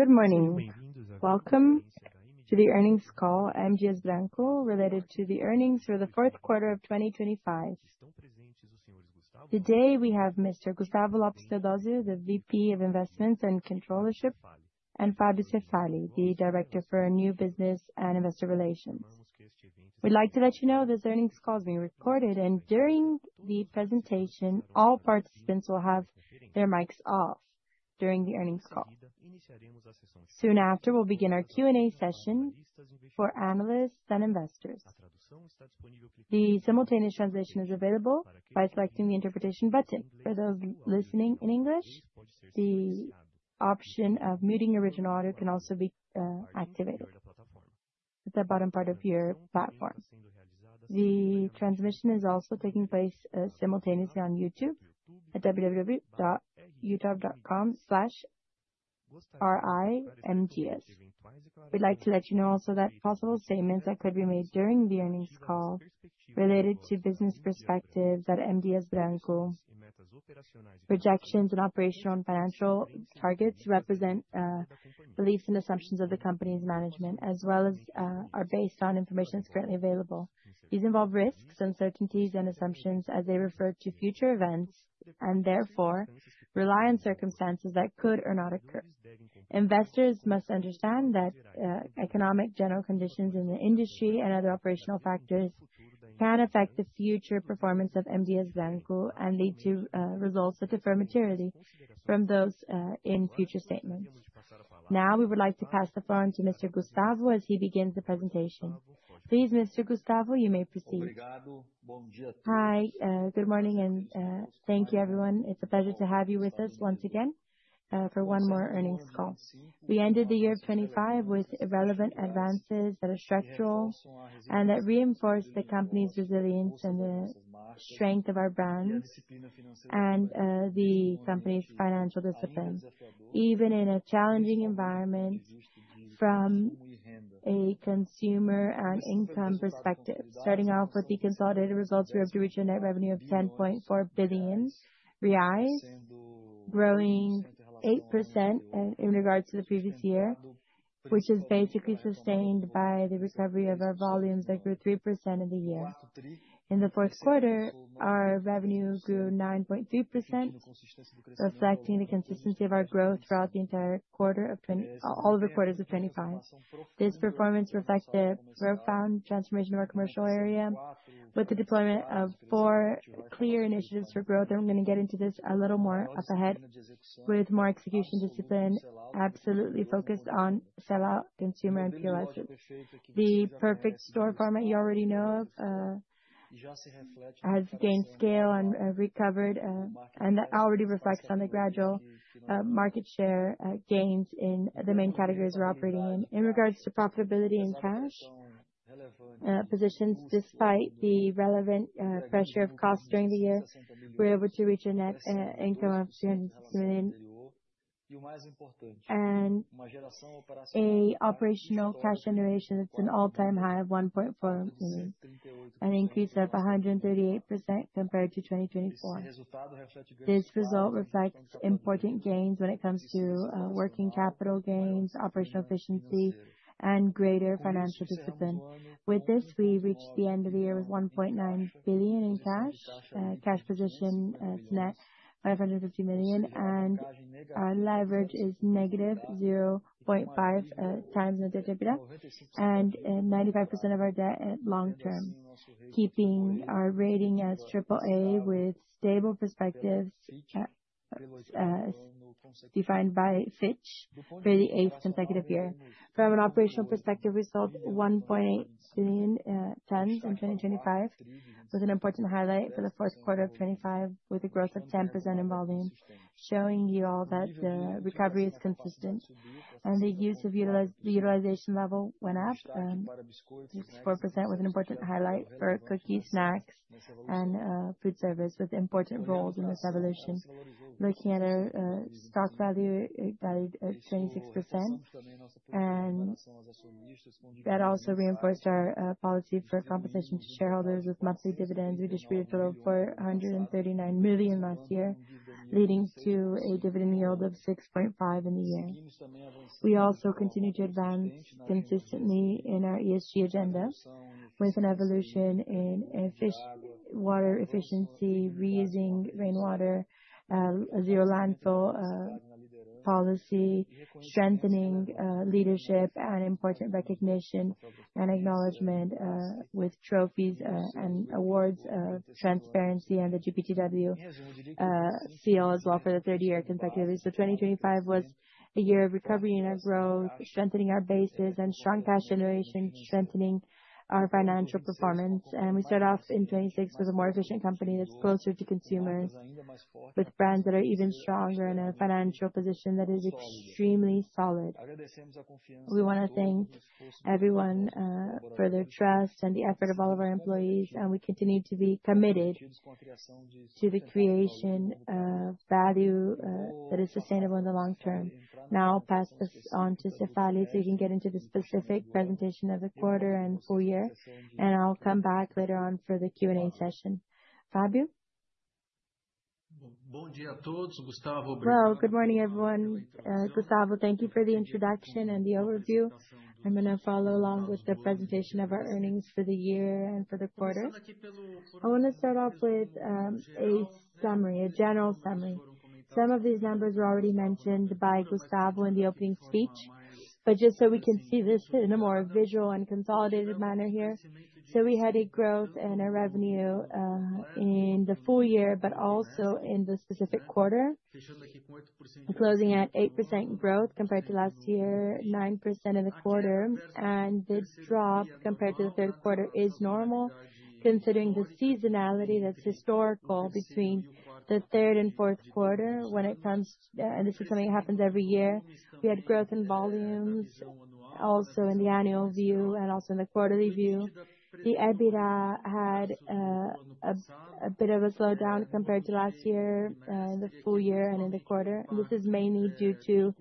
Good morning. Welcome to the earnings call, M. Dias Branco, related to the earnings for the fourth quarter of 2025. Today, we have Mr. Gustavo Lopes Theodozio, the VP of Investments and Controllership, and Fábio Cefaly, the Director for New Business and Investor Relations. We'd like to let you know this earnings call is being recorded, and during the presentation, all participants will have their mics off during the earnings call. Soon after, we'll begin our Q&A session for analysts and investors. The simultaneous translation is available by selecting the interpretation button. For those listening in English, the option of muting original audio can also be activated at the bottom part of your platform. The transmission is also taking place simultaneously on YouTube at www.youtube.com/RIMDias. We'd like to let you know also that possible statements that could be made during the earnings call related to business perspectives at M. Dias Branco, projections and operational and financial targets, represent beliefs and assumptions of the company's management. Are based on information that's currently available. These involve risks, uncertainties, and assumptions as they refer to future events, and therefore rely on circumstances that could or not occur. Investors must understand that economic general conditions in the industry and other operational factors can affect the future performance of M. Dias Branco and lead to results that differ materially from those in future statements. We would like to pass the phone to Mr. Gustavo as he begins the presentation. Please, Mr. Gustavo, you may proceed. Hi, good morning, thank you everyone. It's a pleasure to have you with us once again, for one more earnings call. We ended the year 2025 with relevant advances that are structural and that reinforce the company's resilience and the strength of our brands and the company's financial discipline. Even in a challenging environment from a consumer and income perspective. Starting out with the consolidated results, we have reached a net revenue of 10.4 billion reais, growing 8% in regards to the previous year, which is basically sustained by the recovery of our volumes that grew 3% in the year. In the fourth quarter, our revenue grew 9.3%, reflecting the consistency of our growth throughout all the quarters of 2025. This performance reflects the profound transformation of our commercial area with the deployment of 4 clear initiatives for growth. I'm gonna get into this a little more up ahead. With more execution discipline, absolutely focused on sellout consumer and POS. The Perfect Store format you already know of has gained scale and recovered and that already reflects on the gradual market share gains in the main categories we're operating in. In regards to profitability and cash positions, despite the relevant pressure of costs during the year, we were able to reach a net income of 200 million. A operational cash generation, that's an all-time high of 1.4 million, an increase of 138% compared to 2024. This result reflects important gains when it comes to working capital gains, operational efficiency, and greater financial discipline. With this, we reached the end of the year with 1.9 billion in cash. Cash position is net 550 million, and our leverage is negative 0.5 times the EBITDA. 95% of our debt at long term, keeping our rating as brAAA with stable perspectives as defined by Fitch for the eighth consecutive year. From an operational perspective, we sold 1.8 billion tons in 2025, with an important highlight for the 4th quarter of 2025, with a growth of 10% in volume. Showing you all that the recovery is consistent and the use of the utilization level went up, 64% was an important highlight for cookies, snacks, and food service with important roles in this evolution. Looking at our stock value, it valued at 26%, and that also reinforced our policy for competition to shareholders with monthly dividends. We distributed total of 439 million last year, leading to a dividend yield of 6.5% in the year. We also continued to advance consistently in our ESG agenda, with an evolution in water efficiency, reusing rainwater, zero landfill policy, strengthening leadership and important recognition and acknowledgement with trophies and awards of transparency and the GPTW seal as well for the third year consecutively. 2025 was a year of recovery and of growth, strengthening our bases and strong cash generation, strengthening our financial performance. We start off in 2026 with a more efficient company that's closer to consumers, with brands that are even stronger and a financial position that is extremely solid. We wanna thank everyone for their trust and the effort of all of our employees, and we continue to be committed to the creation of value that is sustainable in the long term. Now, I'll pass this on to Cefaly, so you can get into the specific presentation of the quarter and full year, and I'll come back later on for the Q&A session. Fábio? Good morning, everyone. Gustavo, thank you for the introduction and the overview. I'm gonna follow along with the presentation of our earnings for the year and for the quarter. I wanna start off with a summary, a general summary. Some of these numbers were already mentioned by Gustavo in the opening speech, but just so we can see this in a more visual and consolidated manner here. We had a growth and a revenue in the full year, but also in the specific quarter, closing at 8% growth compared to last year, 9% in the quarter. This drop compared to the third quarter is normal, considering the seasonality that's historical between the third and fourth quarter. This is something that happens every year. We had growth in volumes, also in the annual view and also in the quarterly view. The EBITDA had a bit of a slowdown compared to last year in the full year and in the quarter, and this is mainly due to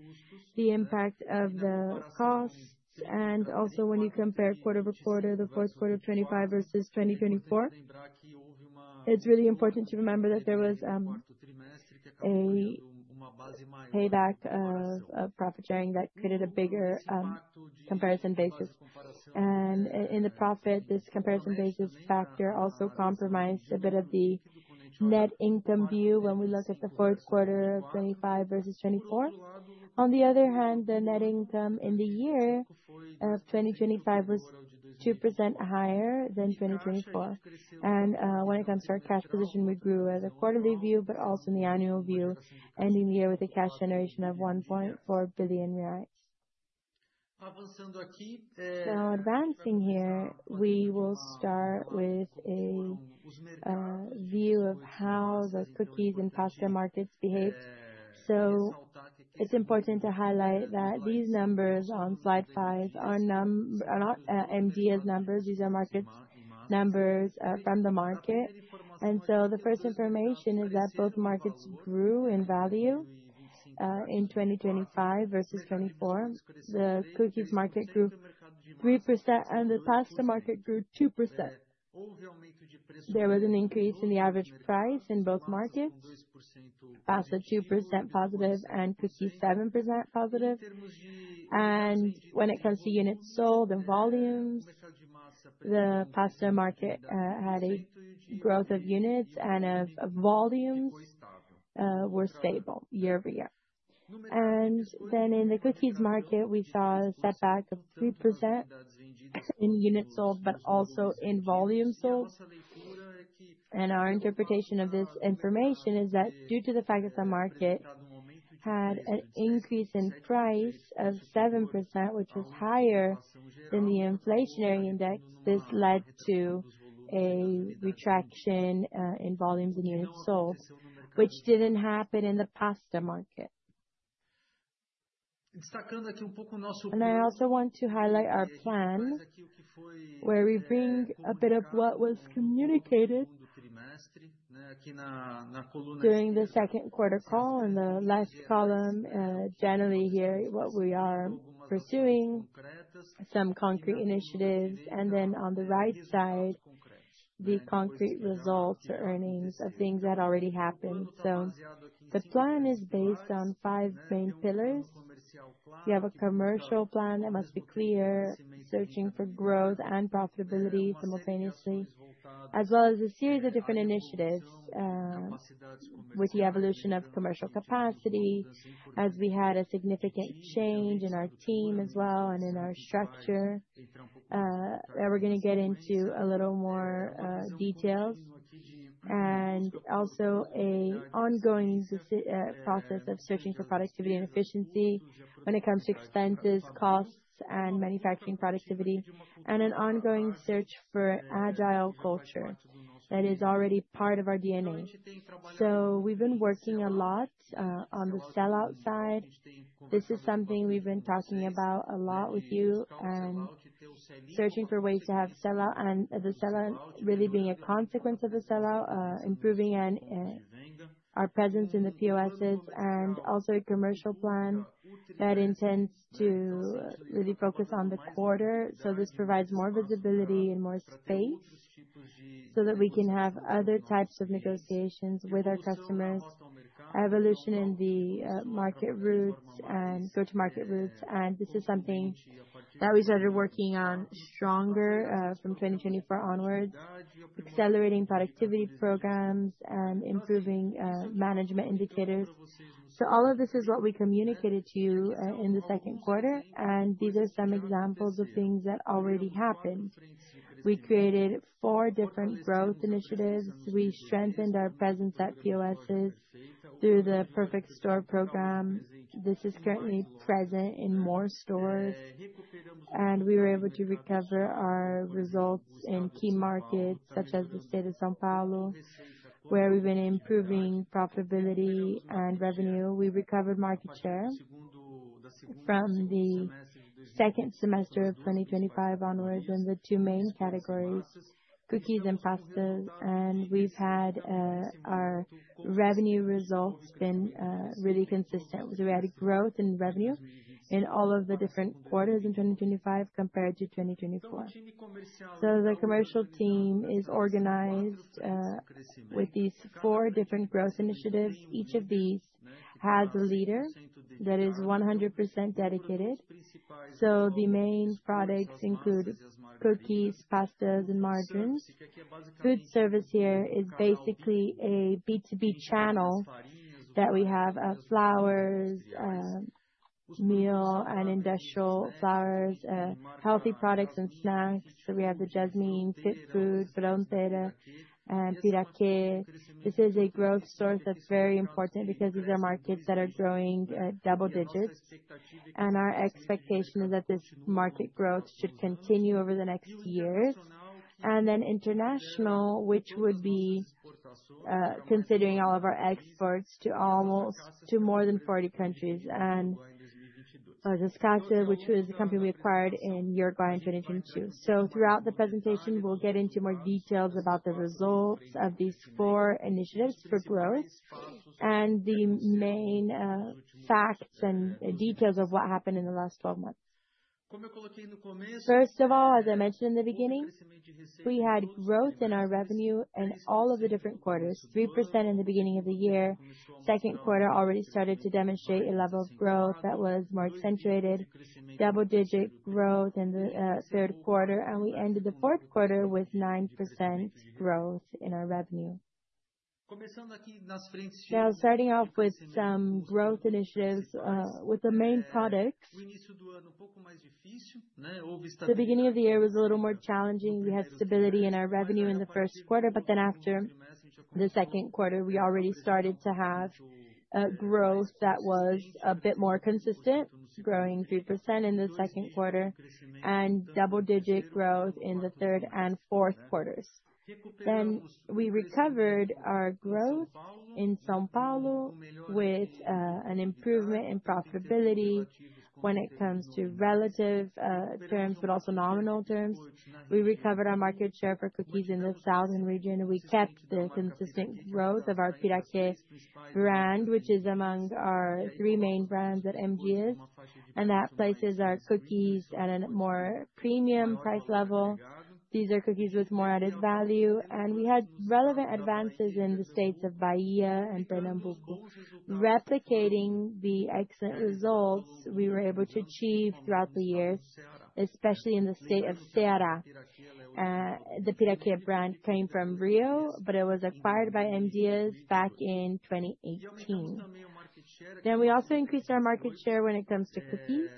the impact of the costs. When you compare quarter-over-quarter, the fourth quarter 2025 versus 2024, it's really important to remember that there was a payback of profit sharing that created a bigger comparison basis. In the profit, this comparison basis factor also compromised a bit of the net income view when we look at the fourth quarter of 2025 versus 2024. On the other hand, the net income in the year of 2025 was 2% higher than 2024. When it comes to our cash position, we grew as a quarterly view, but also in the annual view, ending the year with a cash generation of 1.4 billion reais. Advancing here, we will start with a view of how those cookies and pasta markets behaved. It's important to highlight that these numbers on slide 5 are not MDS numbers. These are markets, numbers from the market. The first information is that both markets grew in value in 2025 versus 2024. The cookies market grew 3%, and the pasta market grew 2%. There was an increase in the average price in both markets: pasta, 2% positive, and cookies, 7% positive. When it comes to units sold, the volumes, the pasta market had a growth of units and of volumes, were stable year-over-year. In the cookies market, we saw a setback of 3% in units sold, but also in volume sold. Our interpretation of this information is that due to the fact that the market had an increase in price of 7%, which was higher than the inflationary index, this led to a retraction in volumes and units sold, which didn't happen in the pasta market. I also want to highlight our plan, where we bring a bit of what was communicated during the second quarter call, in the last column, generally here, what we are pursuing, some concrete initiatives, and then on the right side, the concrete results or earnings of things that already happened. The plan is based on five main pillars. You have a commercial plan that must be clear, searching for growth and profitability simultaneously, as well as a series of different initiatives, with the evolution of commercial capacity, as we had a significant change in our team as well and in our structure. We're gonna get into a little more details, and also an ongoing process of searching for productivity and efficiency when it comes to expenses, costs, and manufacturing productivity, and an ongoing search for agile culture that is already part of our DNA. We've been working a lot on the sell-out side. This is something we've been talking about a lot with you and searching for ways to have sell-out and the sell-out really being a consequence of the sell-out, improving and our presence in the POSs, and also a commercial plan that intends to really focus on the quarter. This provides more visibility and more space, so that we can have other types of negotiations with our customers. Evolution in the market routes and go-to-market routes, and this is something that we started working on stronger from 2024 onwards, accelerating productivity programs and improving management indicators. All of this is what we communicated to you in the second quarter, and these are some examples of things that already happened. We created 4 different growth initiatives. We strengthened our presence at POSs through the Perfect Store program. This is currently present in more stores. We were able to recover our results in key markets, such as the state of São Paulo, where we've been improving profitability and revenue. We recovered market share from the second semester of 2025 onwards, when the two main categories, cookies and pastas, and we've had our revenue results been really consistent. We had growth in revenue in all of the different quarters in 2025 compared to 2024. The commercial team is organized with these four different growth initiatives. Each of these has a leader that is 100% dedicated. The main products include cookies, pastas, and margarines. Food service here is basically a B2B channel that we have of flours, meal, and industrial flours, healthy products and snacks. We have the Jasmine, Fit Food, Frontera, and Piraquê. This is a growth source that's very important because these are markets that are growing at double digits. Our expectation is that this market growth should continue over the next years. Then international, which would be considering all of our exports to more than 40 countries, and Las Acacias, which was a company we acquired in Uruguay in 2022. Throughout the presentation, we'll get into more details about the results of these 4 initiatives for growth and the main facts and details of what happened in the last 12 months. First of all, as I mentioned in the beginning, we had growth in our revenue in all of the different quarters, 3% in the beginning of the year. Second quarter already started to demonstrate a level of growth that was more accentuated, double-digit growth in the third quarter. We ended the fourth quarter with 9% growth in our revenue. Starting off with some growth initiatives with the main products. The beginning of the year was a little more challenging. We had stability in our revenue in the first quarter. After the second quarter, we already started to have a growth that was a bit more consistent, growing 3% in the second quarter and double-digit growth in the third and fourth quarters. We recovered our growth in São Paulo with an improvement in profitability when it comes to relative terms, but also nominal terms. We recovered our market share for cookies in the southern region, and we kept this consistent growth of our Piraquê brand, which is among our three main brands at M. Dias, and that places our cookies at a more premium price level. These are cookies with more added value, and we had relevant advances in the states of Bahia and Pernambuco. Replicating the excellent results we were able to achieve throughout the year, especially in the state of Ceará. The Piraquê brand came from Rio, but it was acquired by M. Dias back in 2018. We also increased our market share when it comes to cookies,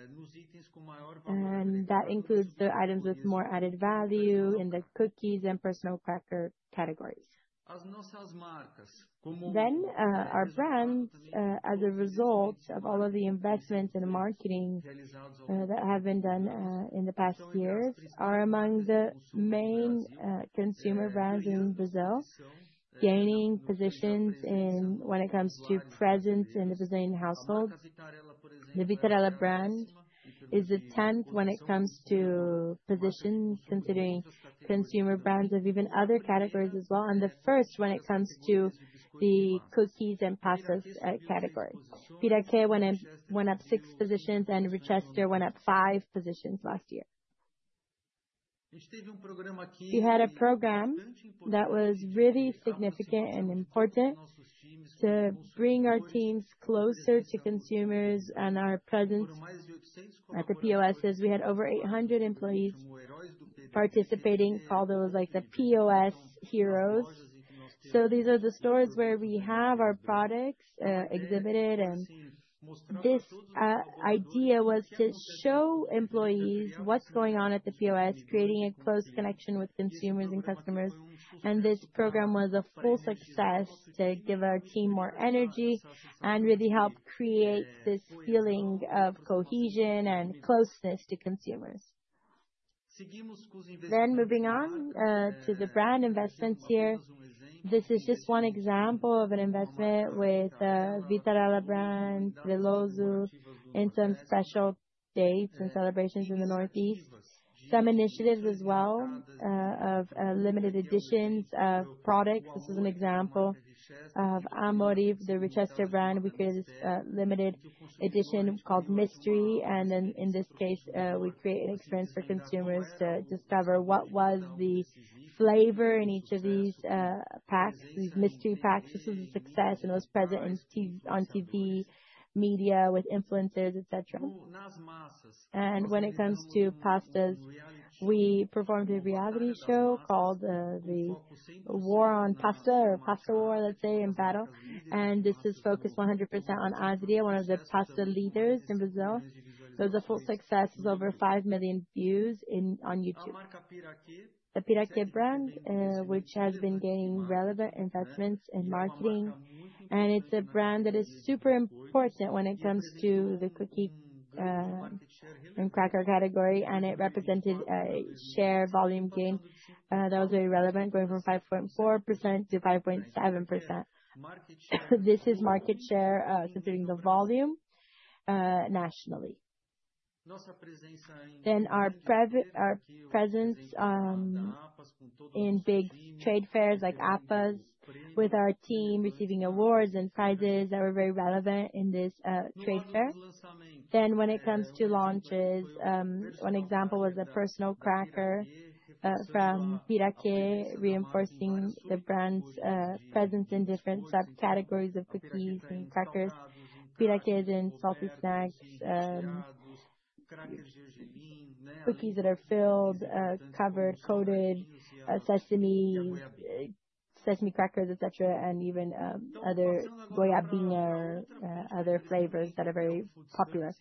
and that includes the items with more added value in the cookies and personal cracker categories. Our brands, as a result of all of the investments in marketing that have been done in the past years, are among the main consumer brands in Brazil, gaining positions in when it comes to presence in the Brazilian household. The Vitarella brand is the tenth when it comes to positions, considering consumer brands of even other categories as well, and the first when it comes to the cookies and pastas category. Piraquê went up six positions, and Richester went up five positions last year. We had a program that was really significant and important to bring our teams closer to consumers and our presence at the POSs. We had over 800 employees participating, called those, like, the POS heroes. These are the stores where we have our products exhibited. This idea was to show employees what's going on at the POS, creating a close connection with consumers and customers. This program was a full success to give our team more energy and really help create this feeling of cohesion and closeness to consumers. Moving on to the brand investments here. This is just one example of an investment with Vitarella brand, Velloso, and some special dates and celebrations in the Northeast. Some initiatives as well of limited editions of products. This is an example of Amori, the Richester brand. We created this limited edition called Mistério, and in this case, we create an experience for consumers to discover what was the flavor in each of these packs, these mystery packs. This was a success and was present on TV, media, with influencers, et cetera. When it comes to pastas, we performed a reality show called The War on Pasta or Pasta War, let's say, in battle. This is focused 100% on Adria, one of the pasta leaders in Brazil. It was a full success, with over 5 million views on YouTube. The Piraquê brand, which has been getting relevant investments in marketing, and it's a brand that is super important when it comes to the cookie and cracker category, and it represented a share volume gain that was very relevant, going from 5.4%-5.7%. This is market share, considering the volume, nationally. Our presence in big trade fairs like APAS, with our team receiving awards and prizes that were very relevant in this trade fair. When it comes to launches, one example was a personal cracker from Piraquê, reinforcing the brand's presence in different subcategories of cookies and crackers. Piraquê is in salty snacks, cookies that are filled, covered, coated, sesame crackers, et cetera, and even other goiabinha, other flavors that are very popular.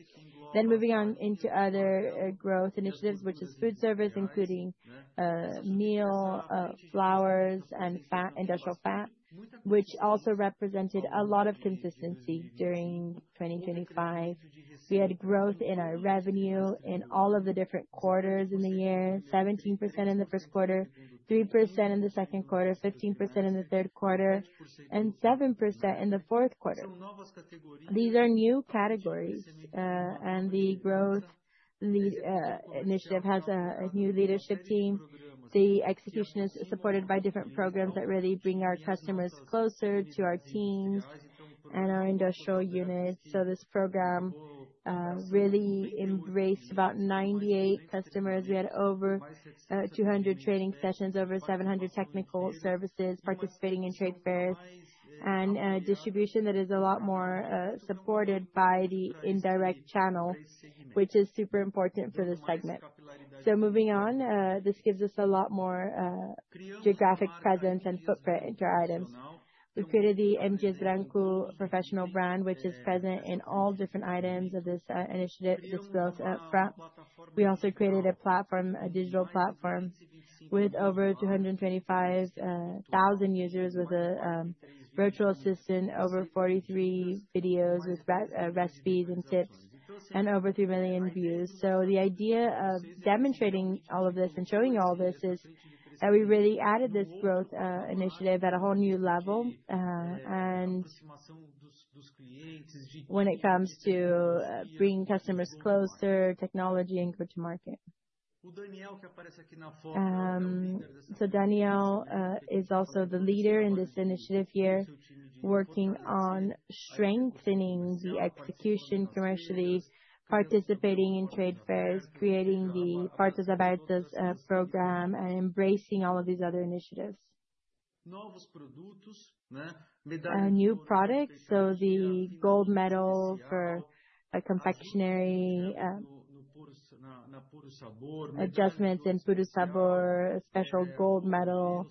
Moving on into other growth initiatives, which is food service, including meal flours, and fat, industrial fat, which also represented a lot of consistency during 2025. We had growth in our revenue in all of the different quarters in the year: 17% in the first quarter, 3% in the second quarter, 15% in the third quarter, and 7% in the fourth quarter. These are new categories, and the growth, these, initiative has a new leadership team. The execution is supported by different programs that really bring our customers closer to our teams and our industrial units. This program really embraced about 98 customers. We had over 200 training sessions, over 700 technical services, participating in trade fairs, and distribution that is a lot more supported by the indirect channel, which is super important for this segment. Moving on, this gives us a lot more geographic presence and footprint to our items. We created the M. Dias Branco Professional brand, which is present in all different items of this initiative that's built up front. We also created a platform, a digital platform, with over 225,000 users with a virtual assistant, over 43 videos with recipes and tips, and over 3 million views. The idea of demonstrating all of this and showing all this is that we really added this growth initiative at a whole new level. When it comes to bringing customers closer, technology and go-to-market. Daniel is also the leader in this initiative here, working on strengthening the execution commercially, participating in trade fairs, creating the Portas Abertas program, and embracing all of these other initiatives. New products, the gold medal for a confectionary, adjustments in Puro Sabor, a special gold medal,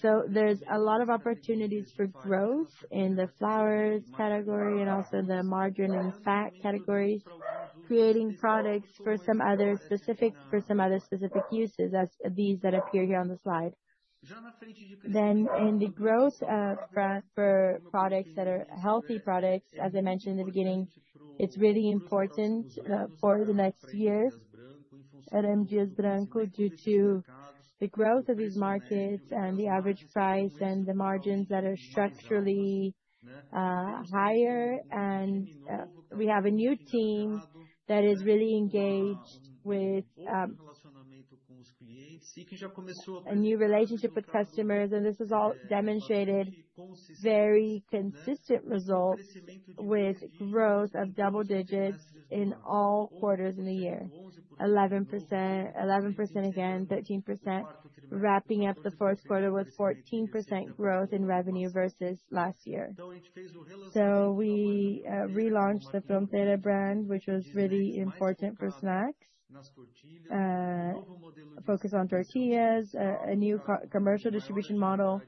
the Boulanger, there's a lot of opportunities for growth in the flours category and also the margin and fat categories, creating products for some other specific uses as these that appear here on the slide. In the growth front for products that are healthy products, as I mentioned in the beginning, it's really important for the next year at M. Dias Branco, due to the growth of these markets and the average price and the margins that are structurally higher. We have a new team that is really engaged with a new relationship with customers, and this has all demonstrated very consistent results with growth of double digits in all quarters in the year. 11%, 11% again, 13%, wrapping up the first quarter with 14% growth in revenue versus last year. We relaunched the Frontera brand, which was really important for snacks. A focus on tortillas, a new commercial distribution model,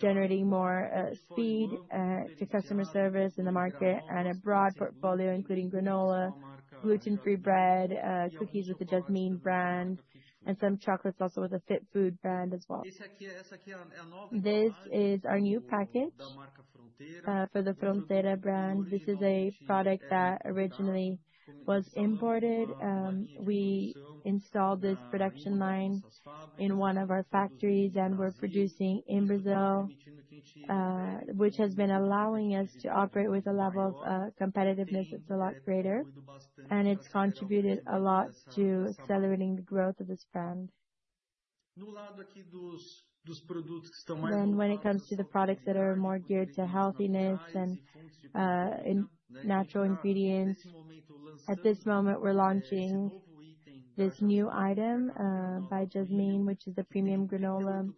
generating more speed to customer service in the market, and a broad portfolio, including granola, gluten-free bread, cookies with the Jasmine brand, and some chocolates also with a Fit Food brand as well. This is our new package for the Frontera brand. This is a product that originally was imported. We installed this production line in one of our factories, and we're producing in Brazil, which has been allowing us to operate with a level of competitiveness that's a lot greater, and it's contributed a lot to accelerating the growth of this brand. When it comes to the products that are more geared to healthiness and natural ingredients, at this moment, we're launching this new item by Jasmine, which is a premium granola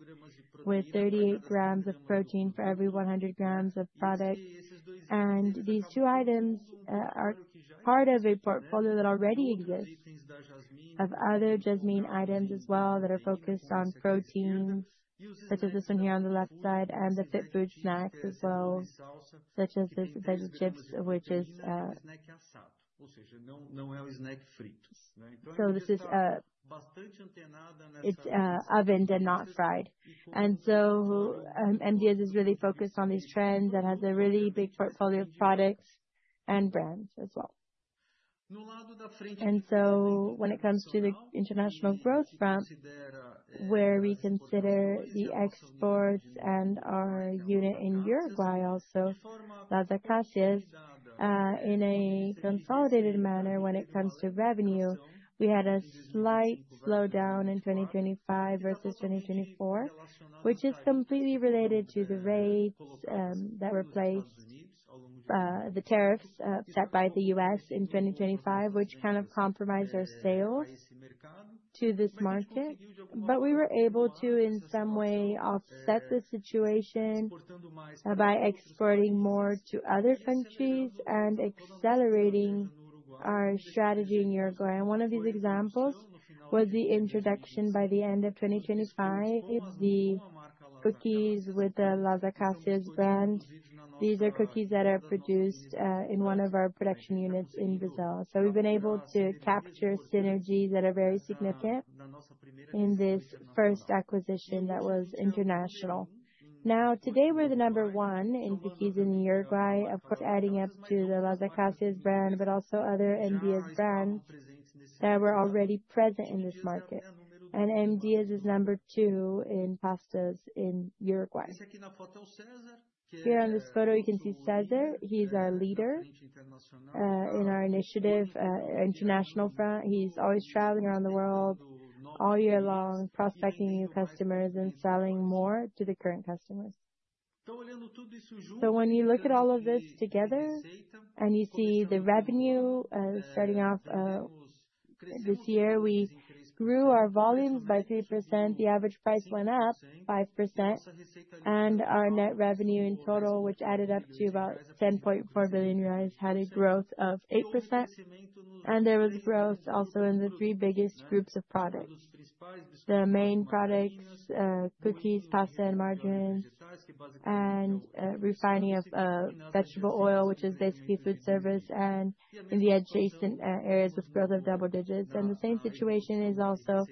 with 38 grams of protein for every 100 grams of product. These two items are part of a portfolio that already exists of other Jasmine items as well that are focused on protein, such as this one here on the left side, and the Fit Food snacks as well, such as this, Veggie Chips, which is, it's ovened and not fried. M. Dias Branco is really focused on these trends and has a really big portfolio of products and brands as well. When it comes to the international growth front, where we consider the exports and our unit in Uruguay, also Las Acacias, in a consolidated manner, when it comes to revenue, we had a slight slowdown in 2025 versus 2024, which is completely related to the rates that replaced the tariffs set by the U.S. in 2025, which kind of compromised our sales to this market. We were able to, in some way, offset the situation by exporting more to other countries and accelerating our strategy in Uruguay. One of these examples was the introduction by the end of 2025, the cookies with the Las Acacias brand. These are cookies that are produced in one of our production units in Brazil. We've been able to capture synergies that are very significant in this first acquisition that was international. Now, today, we're the number one in cookies in Uruguay, of course, adding up to the Las Acacias brand, but also other M. Dias brands that were already present in this market. M. Dias is number two in pastas in Uruguay. Here on this photo, you can see Cesar. He's our leader in our initiative international front. He's always traveling around the world, all year long, prospecting new customers and selling more to the current customers. When you look at all of this together, and you see the revenue starting off this year, we grew our volumes by 3%, the average price went up 5%, and our net revenue in total, which added up to about 10.4 billion reais, had a growth of 8%. There was growth also in the three biggest groups of products. The main products, cookies, pasta and margarine, and refining of vegetable oil, which is basically food service, and in the adjacent areas of growth of double digits. The same situation is also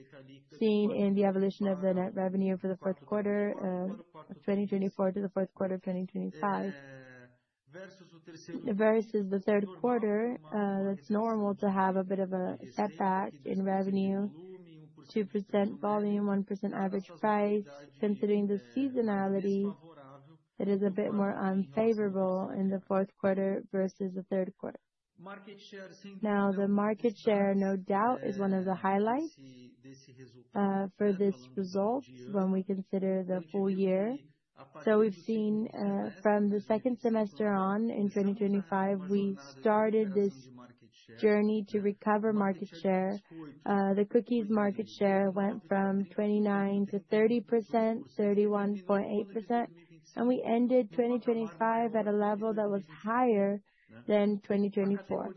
seen in the evolution of the net revenue for the fourth quarter of 2024 to the fourth quarter of 2025. Versus the third quarter, that's normal to have a bit of a setback in revenue, 2% volume, 1% average price. Considering the seasonality, it is a bit more unfavorable in the fourth quarter versus the third quarter. The market share, no doubt, is one of the highlights for this result when we consider the full year. We've seen, from the second semester on, in 2025, we started this journey to recover market share. The cookies market share went from 29% to 30%, 31.8%, and we ended 2025 at a level that was higher than 2024.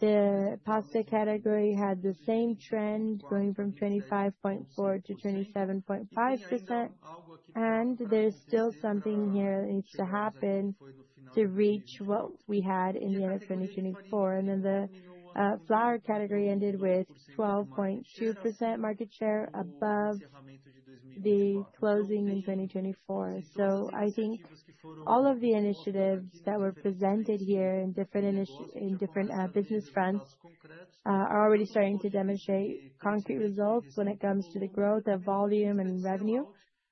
The pasta category had the same trend, going from 25.4% to 27.5%. There's still something here that needs to happen to reach what we had in the end of 2024. The flour category ended with 12.2% market share above the closing in 2024. I think all of the initiatives that were presented here in different business fronts are already starting to demonstrate concrete results when it comes to the growth of volume and revenue,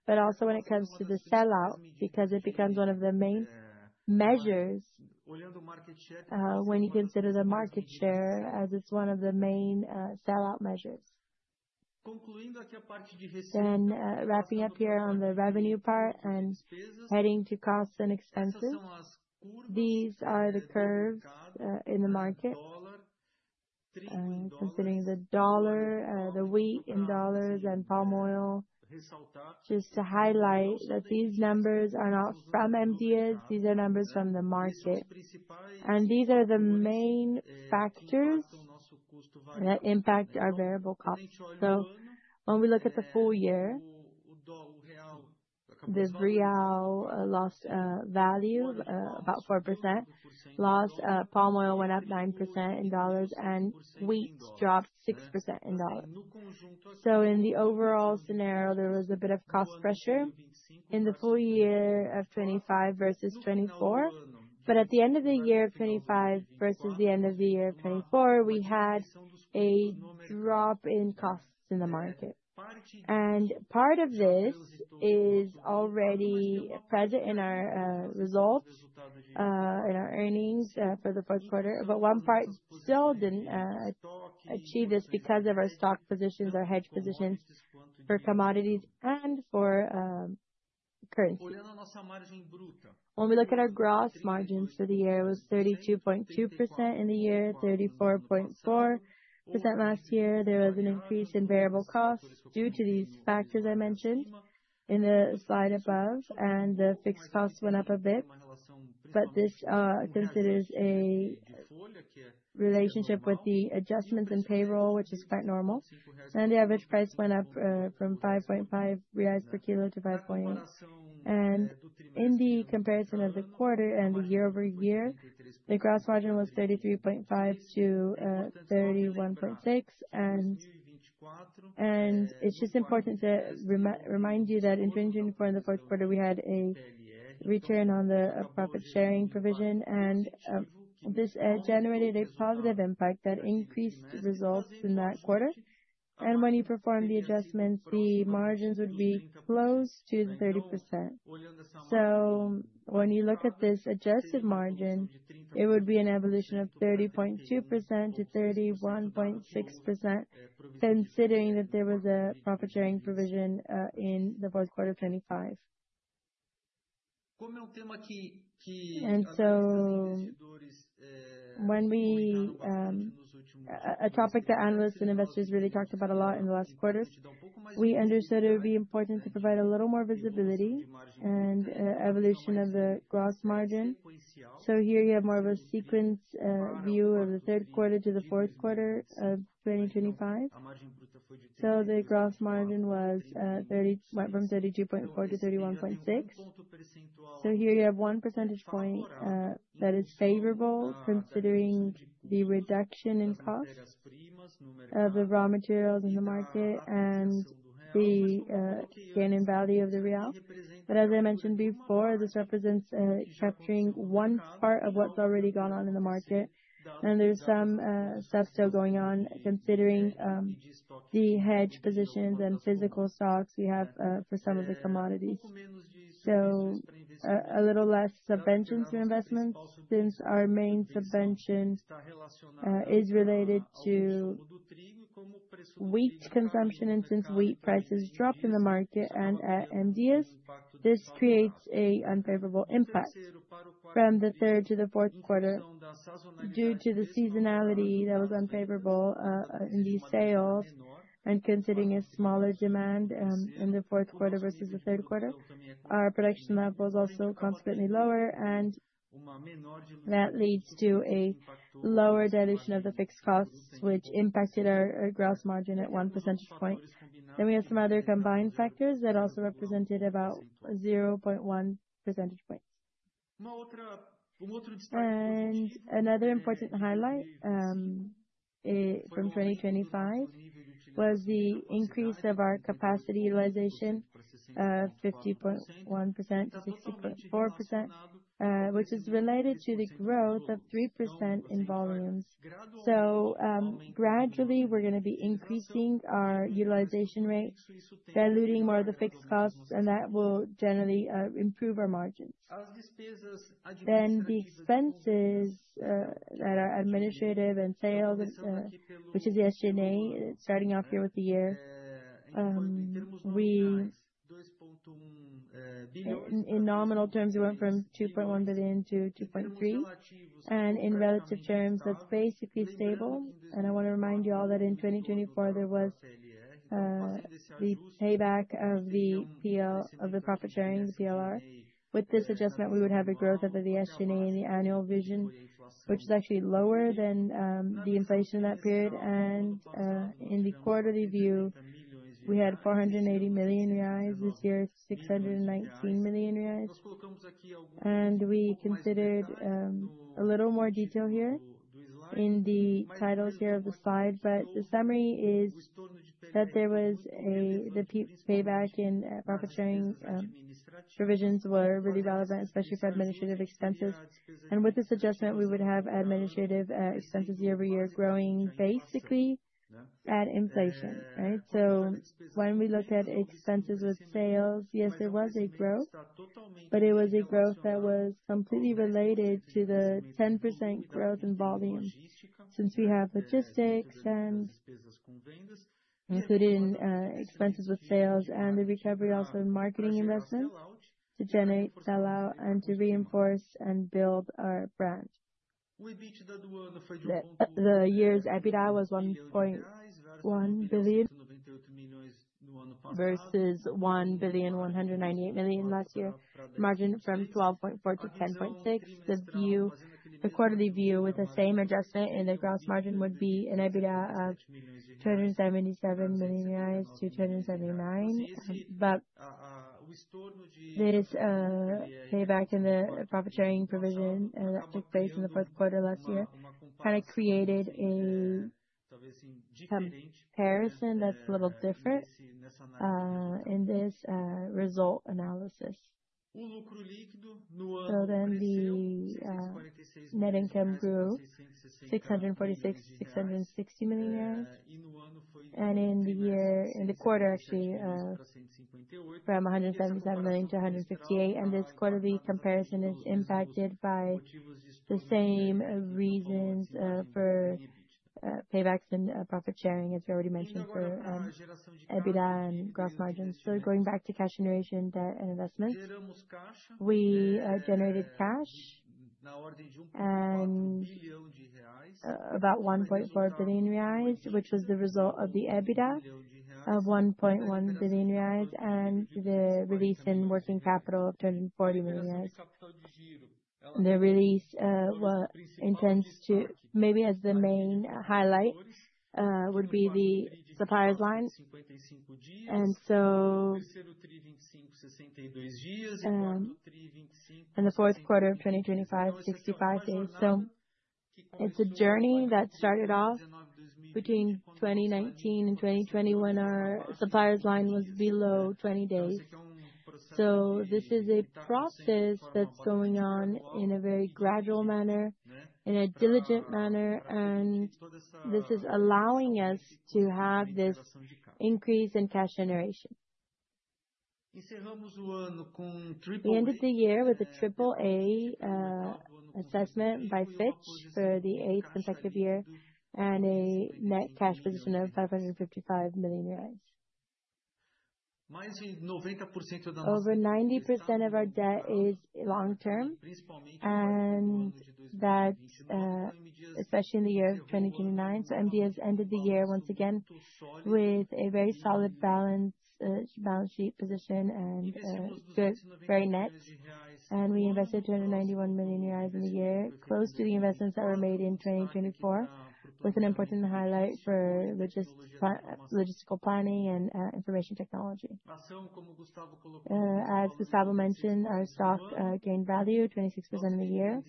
but also when it comes to the sell-out, because it becomes one of the main measures when you consider the market share, as it's one of the main sell-out measures. Wrapping up here on the revenue part and heading to costs and expenses. These are the curves in the market. Considering the dollar, the wheat in dollars and palm oil, just to highlight that these numbers are not from M. Dias, these are numbers from the market. These are the main factors that impact our variable costs. When we look at the full year, this BRL lost value about 4%. Lost, palm oil went up 9% in $, and wheat dropped 6% in $. In the overall scenario, there was a bit of cost pressure in the full year of 2025 versus 2024. At the end of the year 2025 versus the end of the year 2024, we had a drop in costs in the market. Part of this is already present in our results, in our earnings, for the fourth quarter, but one part still didn't achieve this because of our stock positions, our hedge positions for commodities and for currency. When we look at our gross margins for the year, it was 32.2% in the year, 34.4% last year. There was an increase in variable costs due to these factors I mentioned in the slide above, and the fixed costs went up a bit. This, since it is a relationship with the adjustments in payroll, which is quite normal, and the average price went up from 5.5 reais per kilo to 5.8. In the comparison of the quarter and the year-over-year, the gross margin was 33.5% to 31.6%. It's just important to remind you that in 2024, in the fourth quarter, we had a return on the profit sharing provision, and this generated a positive impact that increased results in that quarter. When you perform the adjustments, the margins would be close to 30%. When you look at this adjusted margin, it would be an evolution of 30.2% to 31.6%, considering that there was a profit sharing provision in the fourth quarter of 2025. When we, a topic that analysts and investors really talked about a lot in the last quarter, we understood it would be important to provide a little more visibility and evolution of the gross margin. Here you have more of a sequence view of the third quarter to the fourth quarter of 2025. The gross margin was went from 32.4 to 31.6. Here you have one percentage point that is favorable considering the reduction in costs of the raw materials in the market and the gain in value of the real. As I mentioned before, this represents capturing 1 part of what's already gone on in the market. There's some stuff still going on, considering the hedge positions and physical stocks we have for some of the commodities. A little less subventions to investments, since our main subvention is related to wheat consumption, and since wheat prices dropped in the market and MDS, this creates a unfavorable impact from the third to the fourth quarter due to the seasonality that was unfavorable in these sales. Considering a smaller demand in the fourth quarter versus the third quarter, our production level is also consequently lower, that leads to a lower dilution of the fixed costs, which impacted our gross margin at 1 percentage point. We have some other combined factors that also represented about 0.1 percentage points. Another important highlight from 2025 was the increase of our capacity utilization, 50.1% to 60.4%, which is related to the growth of 3% in volumes. Gradually, we're gonna be increasing our utilization rate, diluting more of the fixed costs, that will generally improve our margins. The expenses that are administrative and sales, which is the SG&A, starting off here with the year, we in nominal terms, we went from 2.1 billion to 2.3 billion, and in relative terms, that's basically stable. I wanna remind you all that in 2024, there was the payback of the profit sharing, the PLR. With this adjustment, we would have a growth of the SG&A in the annual vision, which is actually lower than the inflation in that period. In the quarterly view, we had 480 million reais, this year, 619 million reais. We considered a little more detail here in the titles here of the slide. The summary is that there was the payback in profit sharing provisions were really relevant, especially for administrative expenses. With this adjustment, we would have administrative expenses year-over-year growing basically at inflation, right? When we look at expenses with sales, yes, there was a growth, but it was a growth that was completely related to the 10% growth in volume. Since we have logistics and including expenses with sales and the recovery, also marketing investments to generate sell-out and to reinforce and build our brand. The year's EBITDA was 1.1 billion, versus 1.198 billion last year. Margin from 12.4% to 10.6%. The view, the quarterly view with the same adjustment in the gross margin would be an EBITDA of 277 million-279 million reais. This payback in the profit sharing provision that took place in the fourth quarter last year, kind of created a comparison that's a little different in this result analysis. The net income grew 646 million, BRL 660 million. In the year, in the quarter, actually, from 177 million to 158 million, and this quarterly comparison is impacted by the same reasons for paybacks and profit sharing, as we already mentioned, for EBITDA and gross margins. Going back to cash generation, debt and investments. We generated cash and about 1.4 billion reais, which was the result of the EBITDA of 1.1 billion reais, and the release in working capital of 10.40 million reais. The release, the main highlight, would be the suppliers line. In the fourth quarter of 2025, 65 days. It's a journey that started off between 2019 and 2020, when our suppliers line was below 20 days. This is a process that's going on in a very gradual manner, in a diligent manner, and this is allowing us to have this increase in cash generation. We ended the year with a Triple A assessment by Fitch for the 8th consecutive year, and a net cash position of BRL 555 million. Over 90% of our debt is long-term, especially in the year of 2029. M. Dias Branco ended the year once again with a very solid balance sheet position. We invested 291 million reais in the year, close to the investments that were made in 2024, with an important highlight for logistical planning and information technology. As Gustavo mentioned, our stock gained value 26% in the year.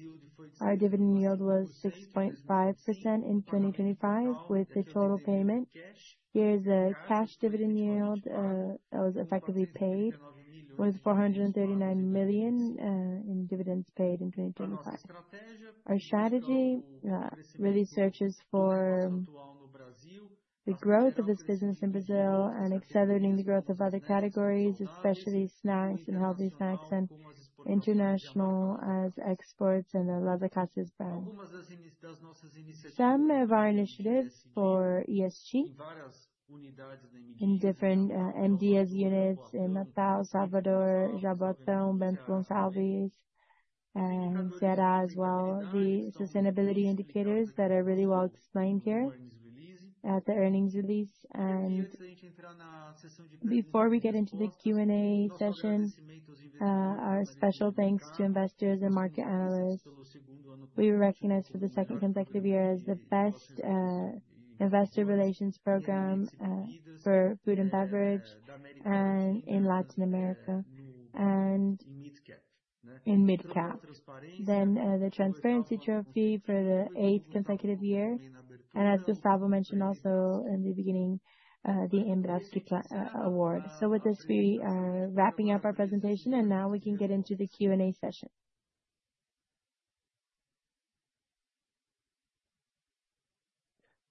Our dividend yield was 6.5% in 2025, with the total payment. Here is a cash dividend yield that was effectively paid, was 439 million in dividends paid in 2025. Our strategy really searches for the growth of this business in Brazil and accelerating the growth of other categories, especially snacks and healthy snacks and international as exports and the Las Acacias brand. Some of our initiatives for ESG in different MGS units in Natal, Salvador, Jaboatão, Bento Gonçalves, and Ceará as well. The sustainability indicators that are really well explained here at the earnings release. Before we get into the Q&A session, our special thanks to investors and market analysts. We were recognized for the second consecutive year as the best investor relations program for food and beverage, and in Latin America, and in mid-cap. The Transparency Trophy for the eighth consecutive year. As Gustavo mentioned, also in the beginning, the APAS Show Award. With this, we are wrapping up our presentation, and now we can get into the Q&A session. We're going to begin with our Q&A session.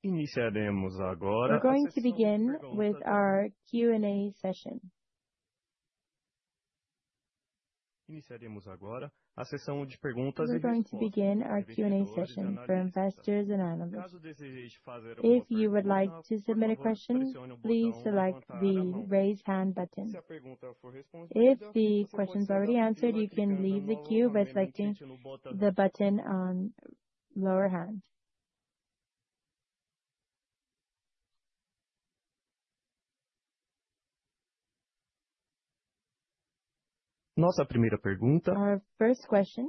We're going to begin our Q&A session for investors and analysts. If you would like to submit a question, please select the Raise Hand button. If the question is already answered, you can leave the queue by selecting the button on lower hand. Our first question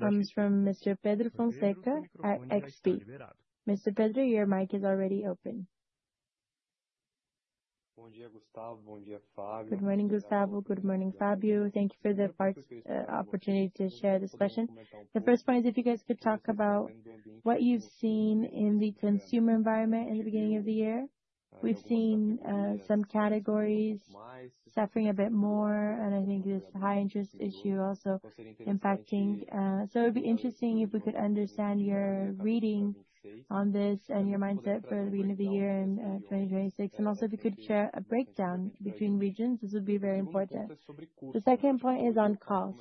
comes from Mr. Pedro Fonseca at XP. Mr. Pedro, your mic is already open. Good morning, Gustavo. Good morning, Fábio. Thank you for the opportunity to share this session. The first point is, if you guys could talk about what you've seen in the consumer environment in the beginning of the year? We've seen some categories suffering a bit more. I think this high interest issue also impacting. It'd be interesting if we could understand your reading on this and your mindset for the beginning of the year in 2026. Also, if you could share a breakdown between regions, this would be very important. The second point is on cost.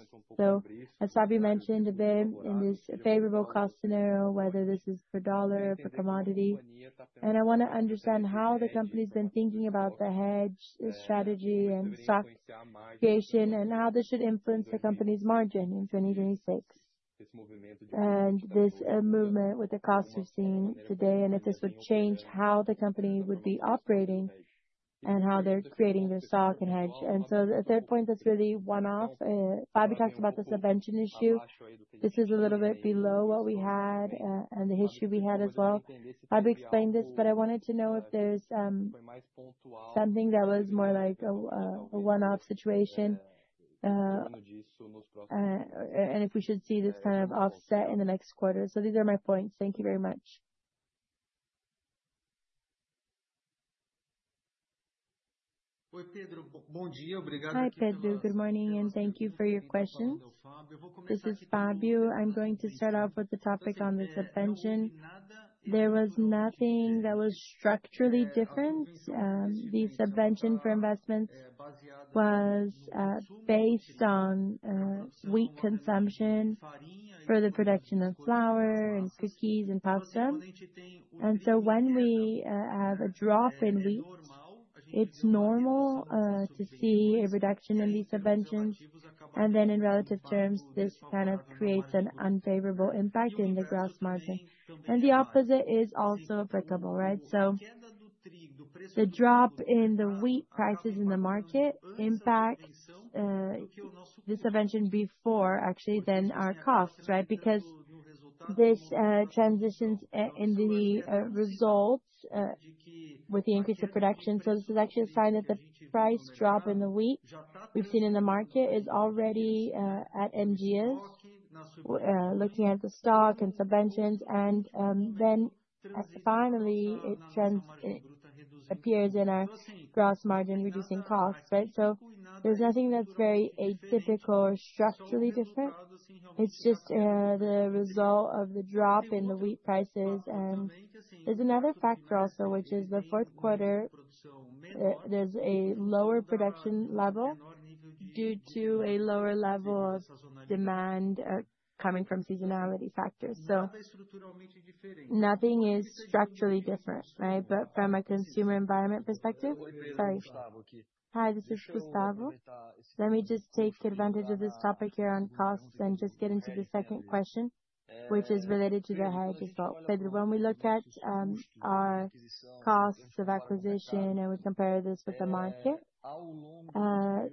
As Fábio mentioned, a bit in this favorable cost scenario, whether this is for the dollar, for commodity. I wanna understand how the company's been thinking about the hedge strategy and stock creation, and how this should influence the company's margin in 2026. This movement with the costs we're seeing today, and if this would change how the company would be operating and how they're creating their stock and hedge. The third point, that's really one-off. Fábio talked about the subvention issue. This is a little bit below what we had and the history we had as well. Fábio explained this, but I wanted to know if there's something that was more like a one-off situation and if we should see this kind of offset in the next quarter. These are my points. Thank you very much. Hi, Pedro. Good morning, and thank you for your questions. This is Fábio. I'm going to start off with the topic on the subvention. There was nothing that was structurally different. The subvention for investments was based on wheat consumption for the production of flour and cookies and pasta. When we have a drop in wheat, it's normal to see a reduction in these subventions. In relative terms, this kind of creates an unfavorable impact in the gross margin. The opposite is also applicable, right? The drop in the wheat prices in the market impacts the subvention before actually than our costs, right? This transitions in the results with the increase of production. This is actually a sign that the price drop in the wheat we've seen in the market is already at MGS. Looking at the stock and subventions, and then finally, it trends, it appears in our gross margin, reducing costs, right? There's nothing that's very atypical or structurally different. It's just the result of the drop in the wheat prices. There's another factor also, which is the fourth quarter, there's a lower production level due to a lower level of demand, coming from seasonality factors. Nothing is structurally different, right? From a consumer environment perspective, sorry. Hi, this is Gustavo. Let me just take advantage of this topic here on costs and just get into the second question, which is related to the hedge as well. When we look at our costs of acquisition and we compare this with the market, over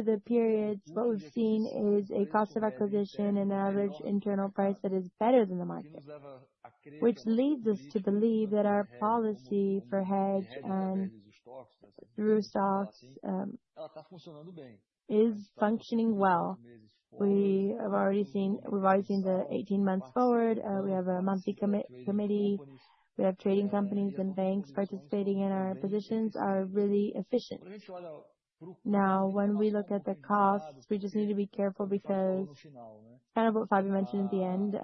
the periods, what we've seen is a cost of acquisition and an average internal price that is better than the market. Which leads us to believe that our policy for hedge, through stocks, is functioning well. We have already seen, we're voicing the 18 months forward. We have a monthly committee. We have trading companies and banks participating, our positions are really efficient. When we look at the costs, we just need to be careful because kind of what Fábio mentioned at the end,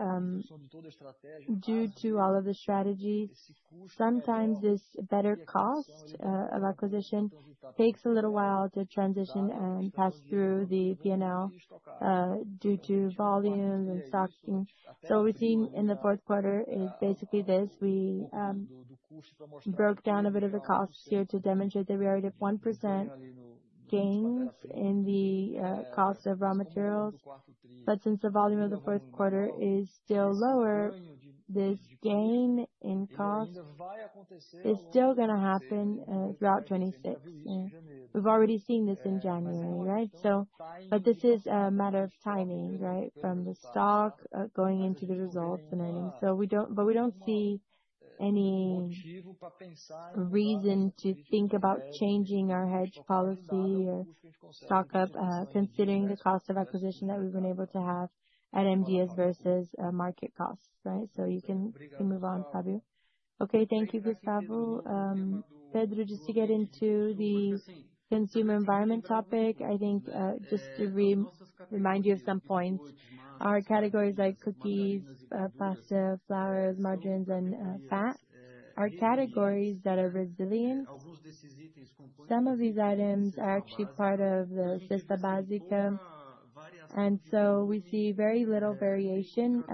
due to all of the strategy, sometimes this better cost of acquisition takes a little while to transition and pass through the PNL due to volume and stocking. What we're seeing in the fourth quarter is basically this: we broke down a bit of the costs here to demonstrate that we already have 1% gains in the cost of raw materials. Since the volume of the fourth quarter is still lower, this gain in cost is still gonna happen throughout 2026, and we've already seen this in January, right? This is a matter of timing, right? From the stock, going into the results and everything. We don't see any reason to think about changing our hedge policy or stock up, considering the cost of acquisition that we've been able to have at MGS versus market costs, right? You can, you can move on, Fábio. Okay, thank you, Gustavo. Pedro, just to get into the consumer environment topic, I think, just to remind you of some points. Our categories like cookies, pasta, flours, margins, and fat, are categories that are resilient. Some of these items are actually part of the cesta básica, we see very little variation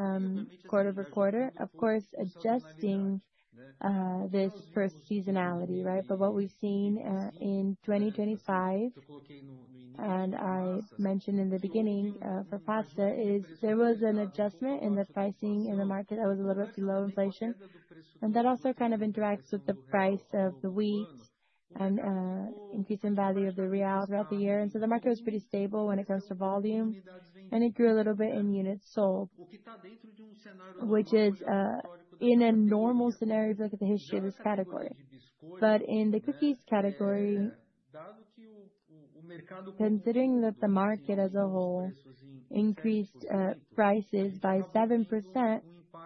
quarter-over-quarter. Of course, adjusting this first seasonality, right? What we've seen in 2025, I mentioned in the beginning for pasta, is there was an adjustment in the pricing in the market that was a little bit below inflation. That also kind of interacts with the price of the wheat and increase in value of the Real throughout the year. The market was pretty stable when it comes to volume, it grew a little bit in units sold. Which is in a normal scenario, if you look at the history of this category. In the cookies category, considering that the market as a whole increased prices by 7%,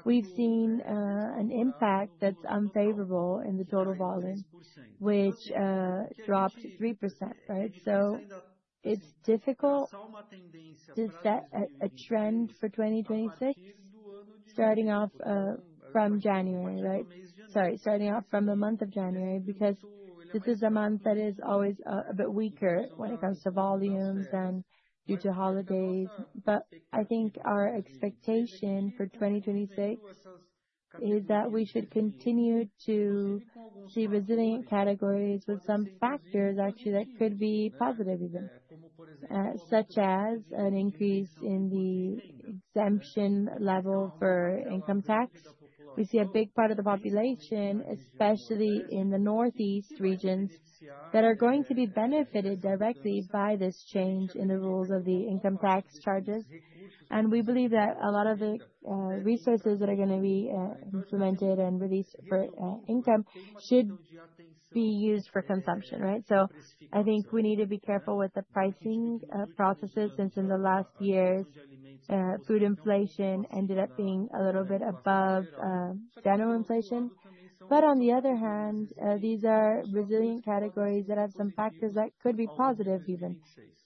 we've seen an impact that's unfavorable in the total volume, which dropped 3%, right? It's difficult to set a trend for 2026, starting off from January, right? Sorry, starting off from the month of January, because this is a month that is always a bit weaker when it comes to volumes and due to holidays. I think our expectation for 2026, is that we should continue to see resilient categories with some factors, actually, that could be positive even, such as an increase in the exemption level for income tax. We see a big part of the population, especially in the Northeast regions, that are going to be benefited directly by this change in the rules of the income tax charges. We believe that a lot of the resources that are gonna be implemented and released for income should be used for consumption, right? I think we need to be careful with the pricing processes, since in the last years, food inflation ended up being a little bit above general inflation. On the other hand, these are resilient categories that have some factors that could be positive even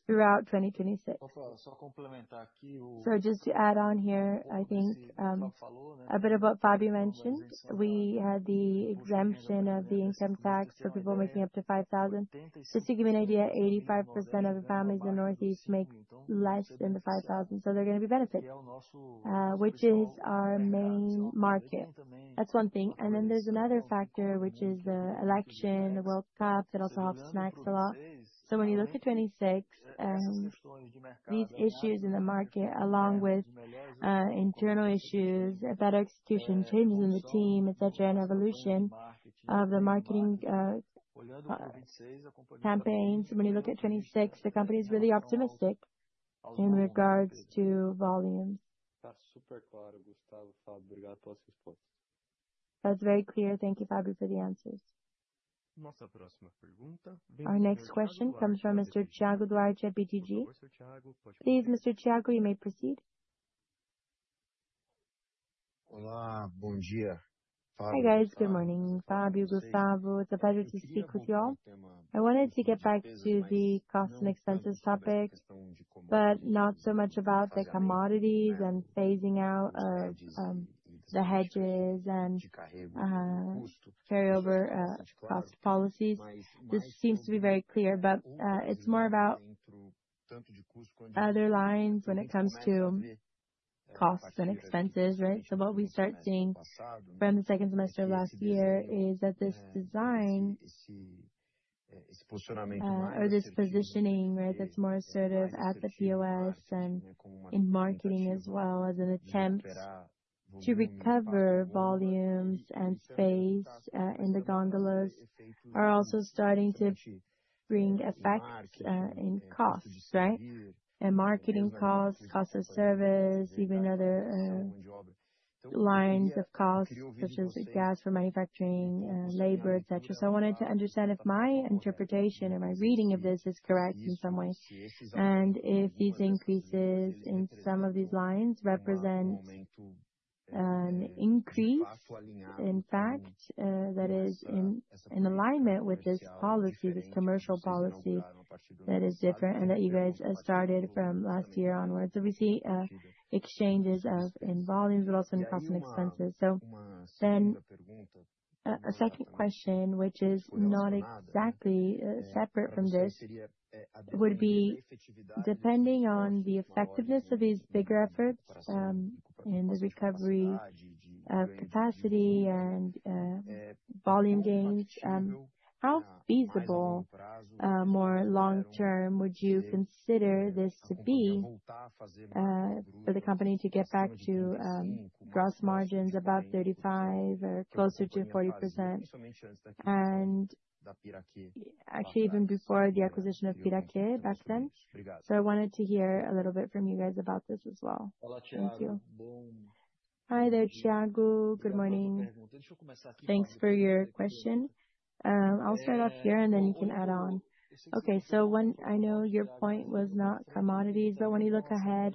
throughout 2026. Just to add on here, I think a bit of what Fábio mentioned, we had the exemption of the income tax for people making up to 5,000. Just to give you an idea, 85% of the families in the Northeast make less than the 5,000, so they're gonna be benefited, which is our main market. That's one thing. There's another factor, which is the election, the World Cup, it also helps snacks a lot. When you look at 26, these issues in the market, along with internal issues, a better execution, changes in the team, et cetera, and evolution of the marketing campaigns, when you look at 26, the company is really optimistic in regards to volumes. That's super clear. Thank you, Fábio, for the answers. Our next question comes from Mr. Thiago Duarte at BTG. Please, Mr. Thiago, you may proceed. Hi, guys. Good morning, Fábio, Gustavo. It's a pleasure to speak with you all. I wanted to get back to the cost and expenses topic, but not so much about the commodities and phasing out of the hedges and carryover cost policies. This seems to be very clear, it's more about other lines when it comes to costs and expenses, right? What we start seeing from the second semester of last year is that this design, or this positioning, right, that's more assertive at the POS and in marketing as well, as it attempts to recover volumes and space in the gondolas, are also starting to bring effects in costs, right? In marketing costs, cost of service, even other lines of costs, such as gas for manufacturing, labor, et cetera. I wanted to understand if my interpretation or my reading of this is correct in some way. If these increases in some of these lines represent an increase, in fact, that is in alignment with this policy, this commercial policy that is different and that you guys have started from last year onwards. We see exchanges of in volumes, but also in cost and expenses. A second question, which is not exactly separate from this, would be depending on the effectiveness of these bigger efforts in the recovery of capacity and volume gains, how feasible more long term would you consider this to be for the company to get back to gross margins above 35 or closer to 40%? Actually, even before the acquisition of Piraquê back then. I wanted to hear a little bit from you guys about this as well. Thank you. Hi there, Thiago. Good morning. Thanks for your question. I'll start off here, you can add on. 1, I know your point was not commodities, when you look ahead,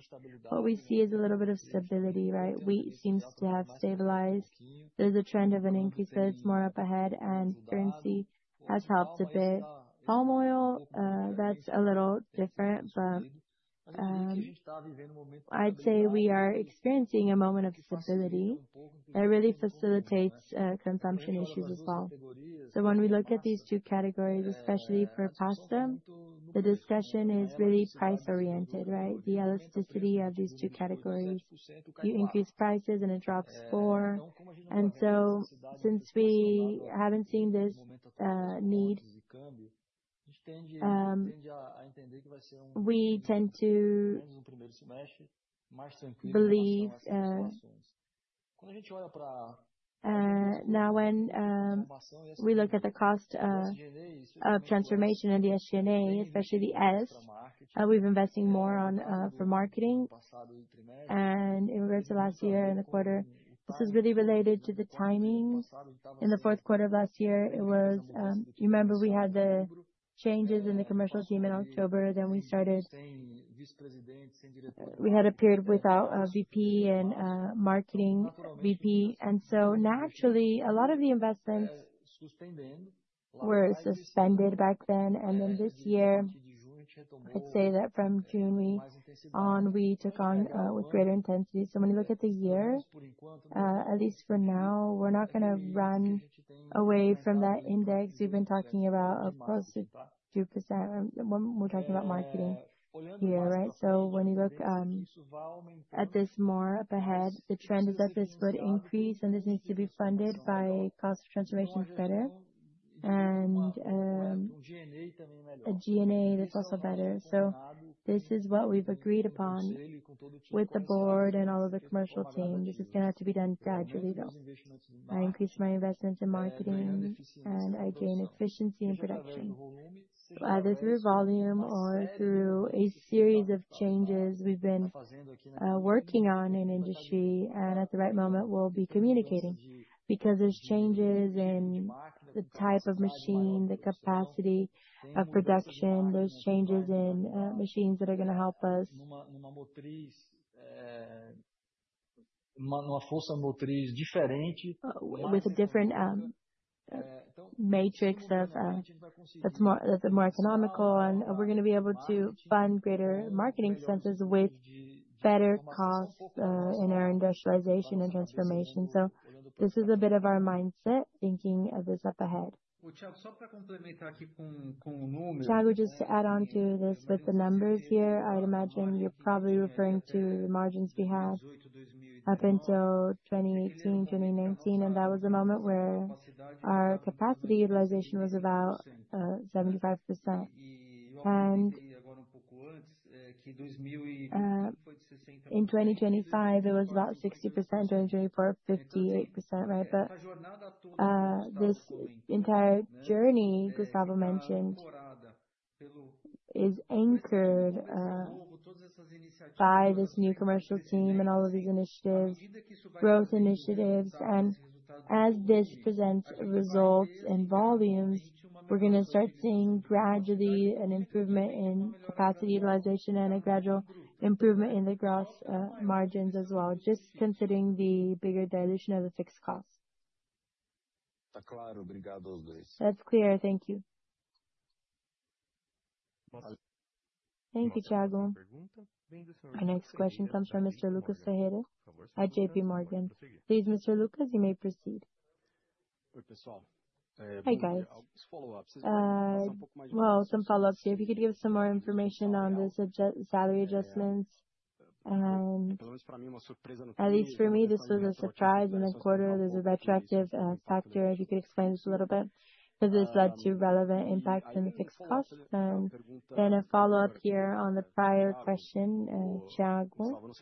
what we see is a little bit of stability, right? Wheat seems to have stabilized. There's a trend of an increase that's more up ahead, currency has helped a bit. Palm oil, that's a little different, I'd say we are experiencing a moment of stability that really facilitates consumption issues as well. When we look at these two categories, especially for pasta, the discussion is really price-oriented, right? The elasticity of these two categories. You increase prices, it drops 4. Since we haven't seen this need, we tend to believe... When we look at the cost of transformation and the SG&A, especially the S, we've been investing more for marketing and in regards to last year and the quarter, this is really related to the timings. In the fourth quarter of last year, you remember we had the changes in the commercial team in October. We had a period without a VP and marketing VP. Naturally, a lot of the investments were suspended back then. This year, I'd say that from June, we took on with greater intensity. When you look at the year, at least for now, we're not gonna run away from that index we've been talking about of close to 2%, when we're talking about marketing here, right? When you look at this more up ahead, the trend is that this would increase, and this needs to be funded by cost of transformation better and a G&A that's also better. This is what we've agreed upon with the board and all of the commercial team. This is gonna have to be done gradually, though. I increase my investments in marketing, and I gain efficiency in production, either through volume or through a series of changes we've been working on in industry, and at the right moment, we'll be communicating. There's changes in the type of machine, the capacity of production, there's changes in machines that are gonna help us with a different matrix of that's more economical, and we're gonna be able to fund greater marketing expenses with better costs in our industrialization and transformation. This is a bit of our mindset, thinking of this up ahead. Thiago, just to add on to this with the numbers here, I'd imagine you're probably referring to margins we have up until 2018, 2019, and that was a moment where our capacity utilization was about 75%. In 2025, it was about 60%, 2024, 58%, right? This entire journey Gustavo mentioned, is anchored by this new commercial team and all of these initiatives, growth initiatives. As this presents results and volumes, we're gonna start seeing gradually an improvement in capacity utilization and a gradual improvement in the gross margins as well, just considering the bigger dilution of the fixed costs. That's clear. Thank you. Thank you, Thiago. Our next question comes from Mr. Lucas Ferreira at JPMorgan. Please, Mr. Lucas, you may proceed. Hi, guys. Well, some follow-ups here. If you could give us some more information on the salary adjustments, and at least for me, this was a surprise in a quarter. There's a retroactive factor. If you could explain this a little bit. Has this led to relevant impact in the fixed cost? A follow-up here on the prior question, Thiago.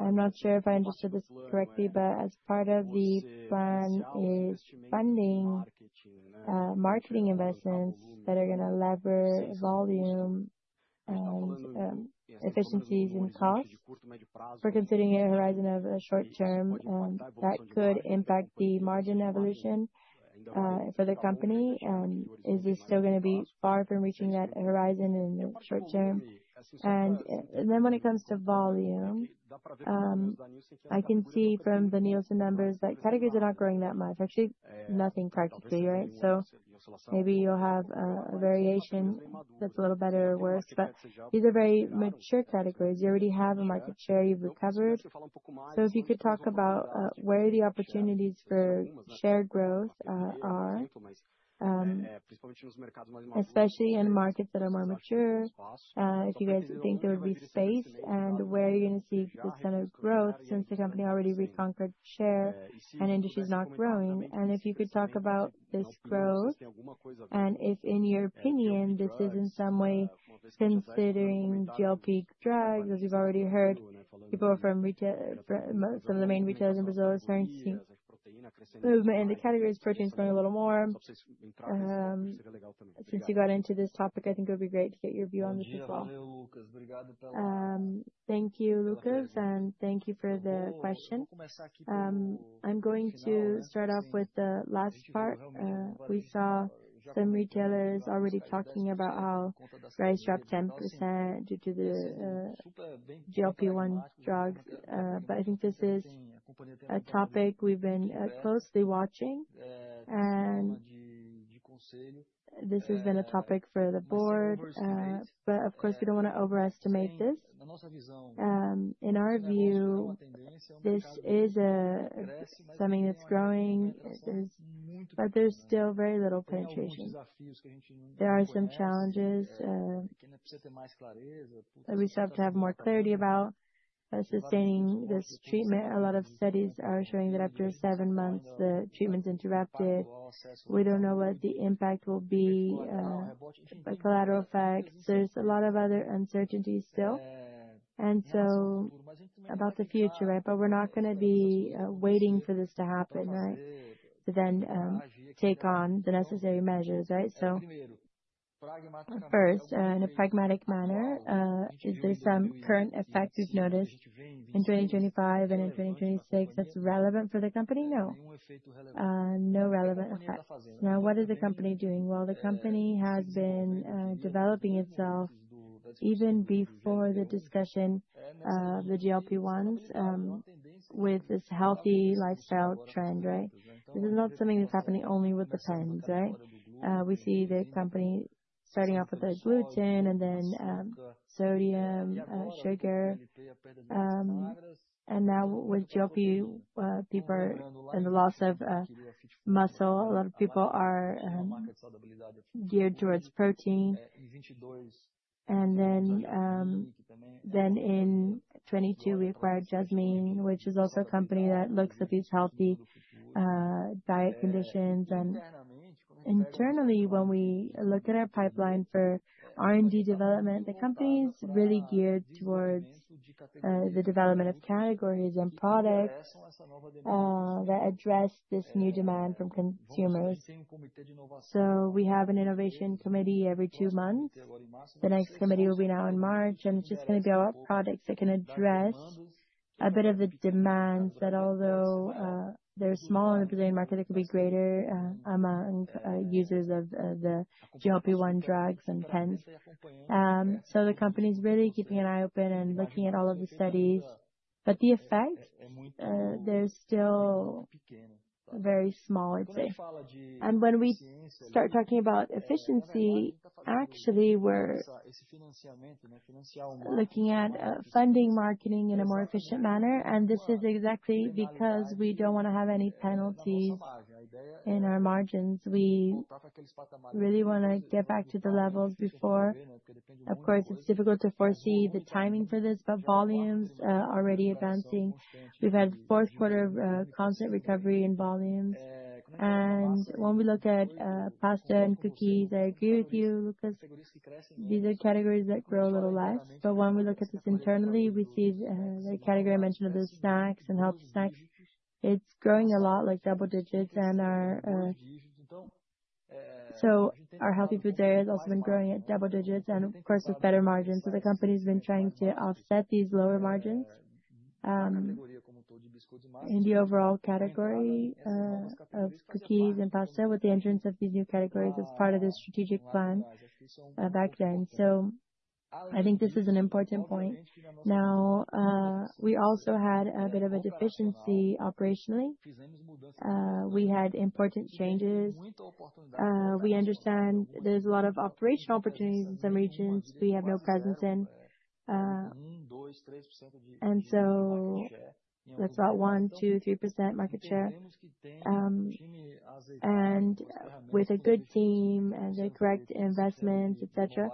I'm not sure if I understood this correctly, but as part of the plan is funding marketing investments that are gonna lever volume and efficiencies in costs. We're considering a horizon of a short term that could impact the margin evolution for the company. Is this still gonna be far from reaching that horizon in the short term? Then when it comes to volume, I can see from the Nielsen numbers that categories are not growing that much. Actually, nothing practically, right? Maybe you'll have a variation that's a little better or worse, but these are very mature categories. You already have a market share you've recovered. If you could talk about where the opportunities for share growth are, especially in markets that are more mature, if you guys think there would be space and where you're gonna see this kind of growth since the company already reconquered share and industry is not growing. If you could talk about this growth and if, in your opinion, this is in some way considering GLP drugs, as you've already heard, people from retail, some of the main retailers in Brazil are starting to see movement in the categories, proteins growing a little more. Since you got into this topic, I think it would be great to get your view on this as well. Thank you, Lucas, and thank you for the question. I'm going to start off with the last part. We saw some retailers already talking about how price dropped 10% due to the GLP-1 drugs. I think this is a topic we've been closely watching, and this has been a topic for the board. Of course, we don't wanna overestimate this. In our view, this is something that's growing, but there's still very little penetration. There are some challenges that we still have to have more clarity about sustaining this treatment. A lot of studies are showing that after 7 months, the treatment's interrupted. We don't know what the impact will be, the collateral effects. There's a lot of other uncertainties still. About the future, right? We're not gonna be waiting for this to happen, right? To then take on the necessary measures, right? First, in a pragmatic manner, is there some current effect we've noticed in 2025 and in 2026 that's relevant for the company? No. No relevant effects. What is the company doing? Well, the company has been developing itself even before the discussion, the GLP-1s, with this healthy lifestyle trend, right? This is not something that's happening only with the pens, right? We see the company starting off with the gluten then sodium, sugar, and now with GLP, and the loss of muscle, a lot of people are geared towards protein. Then in 22, we acquired Jasmine, which is also a company that looks at these healthy diet conditions. Internally, when we look at our pipeline for R&D development, the company is really geared towards the development of categories and products that address this new demand from consumers. We have an innovation committee every 2 months. The next committee will be now in March, and it's just gonna be about products that can address a bit of the demands that although they're small in the Brazilian market, it could be greater among users of the GLP-1 drugs and pens. The company's really keeping an eye open and looking at all of the studies, but the effect, they're still very small, I'd say. When we start talking about efficiency, actually, we're looking at funding marketing in a more efficient manner, and this is exactly because we don't wanna have any penalties in our margins. We really wanna get back to the levels before. Of course, it's difficult to foresee the timing for this, but volumes, already advancing. We've had fourth quarter of constant recovery in volumes. When we look at pasta and cookies, I agree with you, Lucas. These are categories that grow a little less, but when we look at this internally, we see the category I mentioned, the snacks and healthy snacks. It's growing a lot, like double digits and our healthy food area has also been growing at double digits and of course, with better margins. The company's been trying to offset these lower margins in the overall category of cookies and pasta with the entrance of these new categories as part of the strategic plan back then. I think this is an important point. Now, we also had a bit of a deficiency operationally. We had important changes. We understand there's a lot of operational opportunities in some regions we have no presence in. That's about 1, 2, 3% market share. With a good team and the correct investments, et cetera,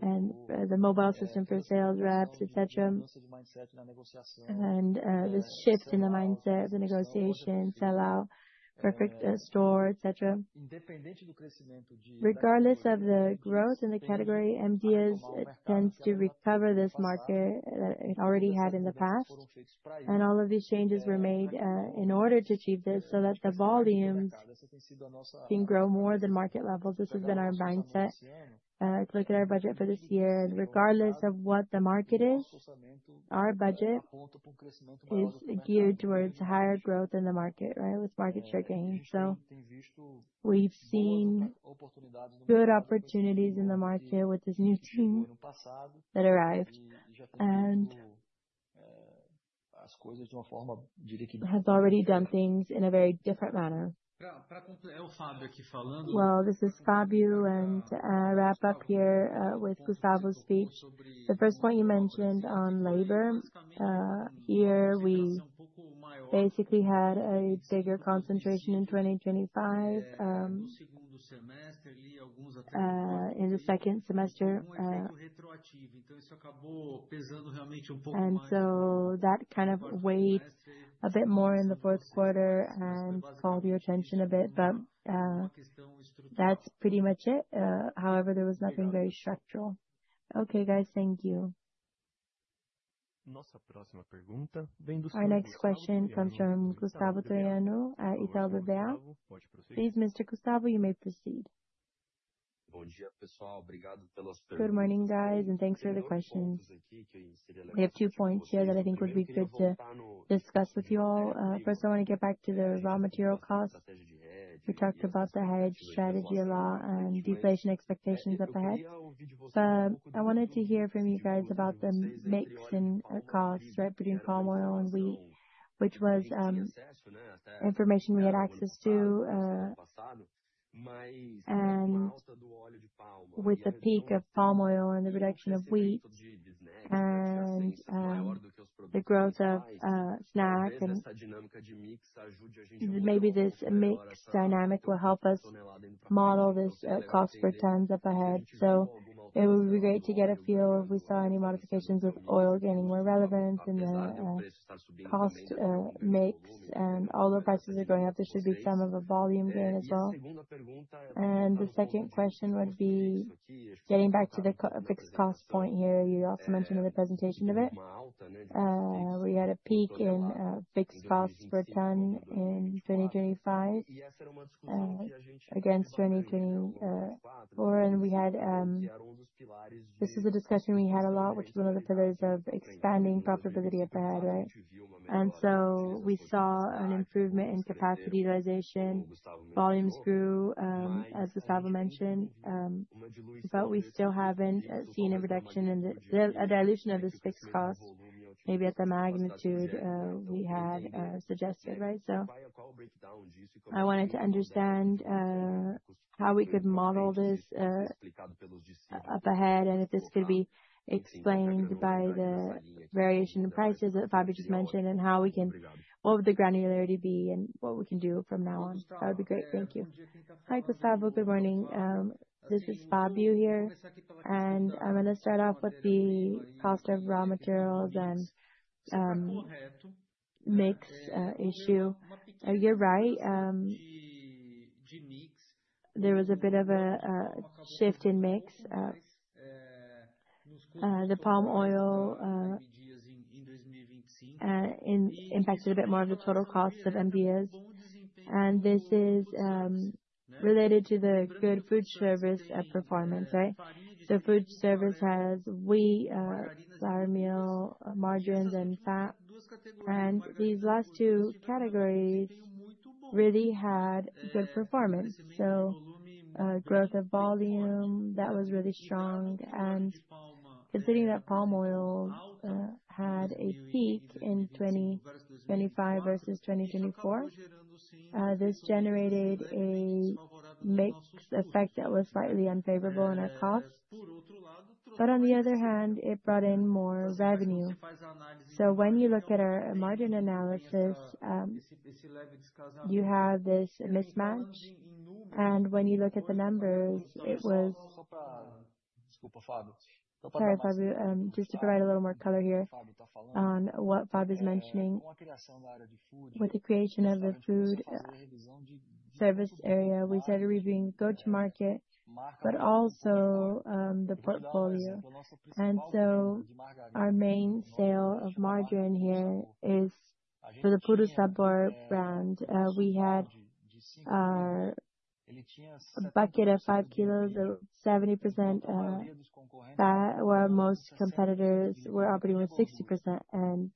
the mobile system for sales reps, et cetera. This shift in the mindset, the negotiation, sell-out, Perfect Store, et cetera. Regardless of the growth in the category, M. Dias, it tends to recover this market it already had in the past. All of these changes were made in order to achieve this, so that the volumes can grow more than market levels. This has been our mindset, if you look at our budget for this year, regardless of what the market is, our budget is geared towards higher growth in the market, right? With market sharing. We've seen good opportunities in the market with this new team that arrived, and has already done things in a very different manner. Well, this is Fábio, and to wrap up here with Gustavo's speech. The first point you mentioned on labor, here, we basically had a bigger concentration in 2025, in the second semester. That kind of weighed a bit more in the fourth quarter and called your attention a bit, but that's pretty much it. There was nothing very structural. Okay, guys. Thank you. Our next question comes from Gustavo Troyano at Itaú BBA. Please, Mr. Gustavo, you may proceed. Good morning, guys, thanks for the questions. We have 2 points here that I think would be good to discuss with you all. First, I want to get back to the raw material costs. We talked about the hedge strategy a lot and deflation expectations up ahead. I wanted to hear from you guys about the mix and costs, right? Between palm oil and wheat, which was information we had access to. With the peak of palm oil and the reduction of wheat, the growth of snack, and maybe this mix dynamic will help us model this cost per tons up ahead. It would be great to get a feel if we saw any modifications with oil getting more relevant in the cost mix, and all the prices are going up. There should be some of a volume gain as well. The second question would be getting back to the fixed cost point here. You also mentioned in the presentation a bit, we had a peak in fixed costs per ton in 2025 against 2024, we had. This is a discussion we had a lot, which is one of the pillars of expanding profitability up ahead, right? We saw an improvement in capacity utilization. Volumes grew, as Gustavo mentioned, but we still haven't seen a reduction in the, a dilution of this fixed cost, maybe at the magnitude we had suggested, right? I wanted to understand, how we could model this up ahead, and if this could be explained by the variation in prices that Fábio just mentioned, and what would the granularity be and what we can do from now on? That would be great. Thank you. Hi, Gustavo. Good morning. This is Fábio here, and I'm gonna start off with the cost of raw materials and mix issue. You're right, there was a bit of a shift in mix. The palm oil impacted a bit more of the total cost of MBS. This is related to the good food service performance, right? Food service has wheat, flour mill, margins, and fat. These last two categories really had good performance. Growth of volume, that was really strong. Considering that palm oil had a peak in 2025 versus 2024, this generated a mix effect that was slightly unfavorable in our costs. On the other hand, it brought in more revenue. When you look at our margin analysis, you have this mismatch, and when you look at the numbers, Sorry, Fabio, just to provide a little more color here on what Fabio is mentioning. With the creation of the food service area, we started reviewing go-to-market, but also the portfolio. Our main sale of margarine here is for the Puro Sabor brand. We had a bucket of 5 kilos of 70% fat, where most competitors were operating with 60%.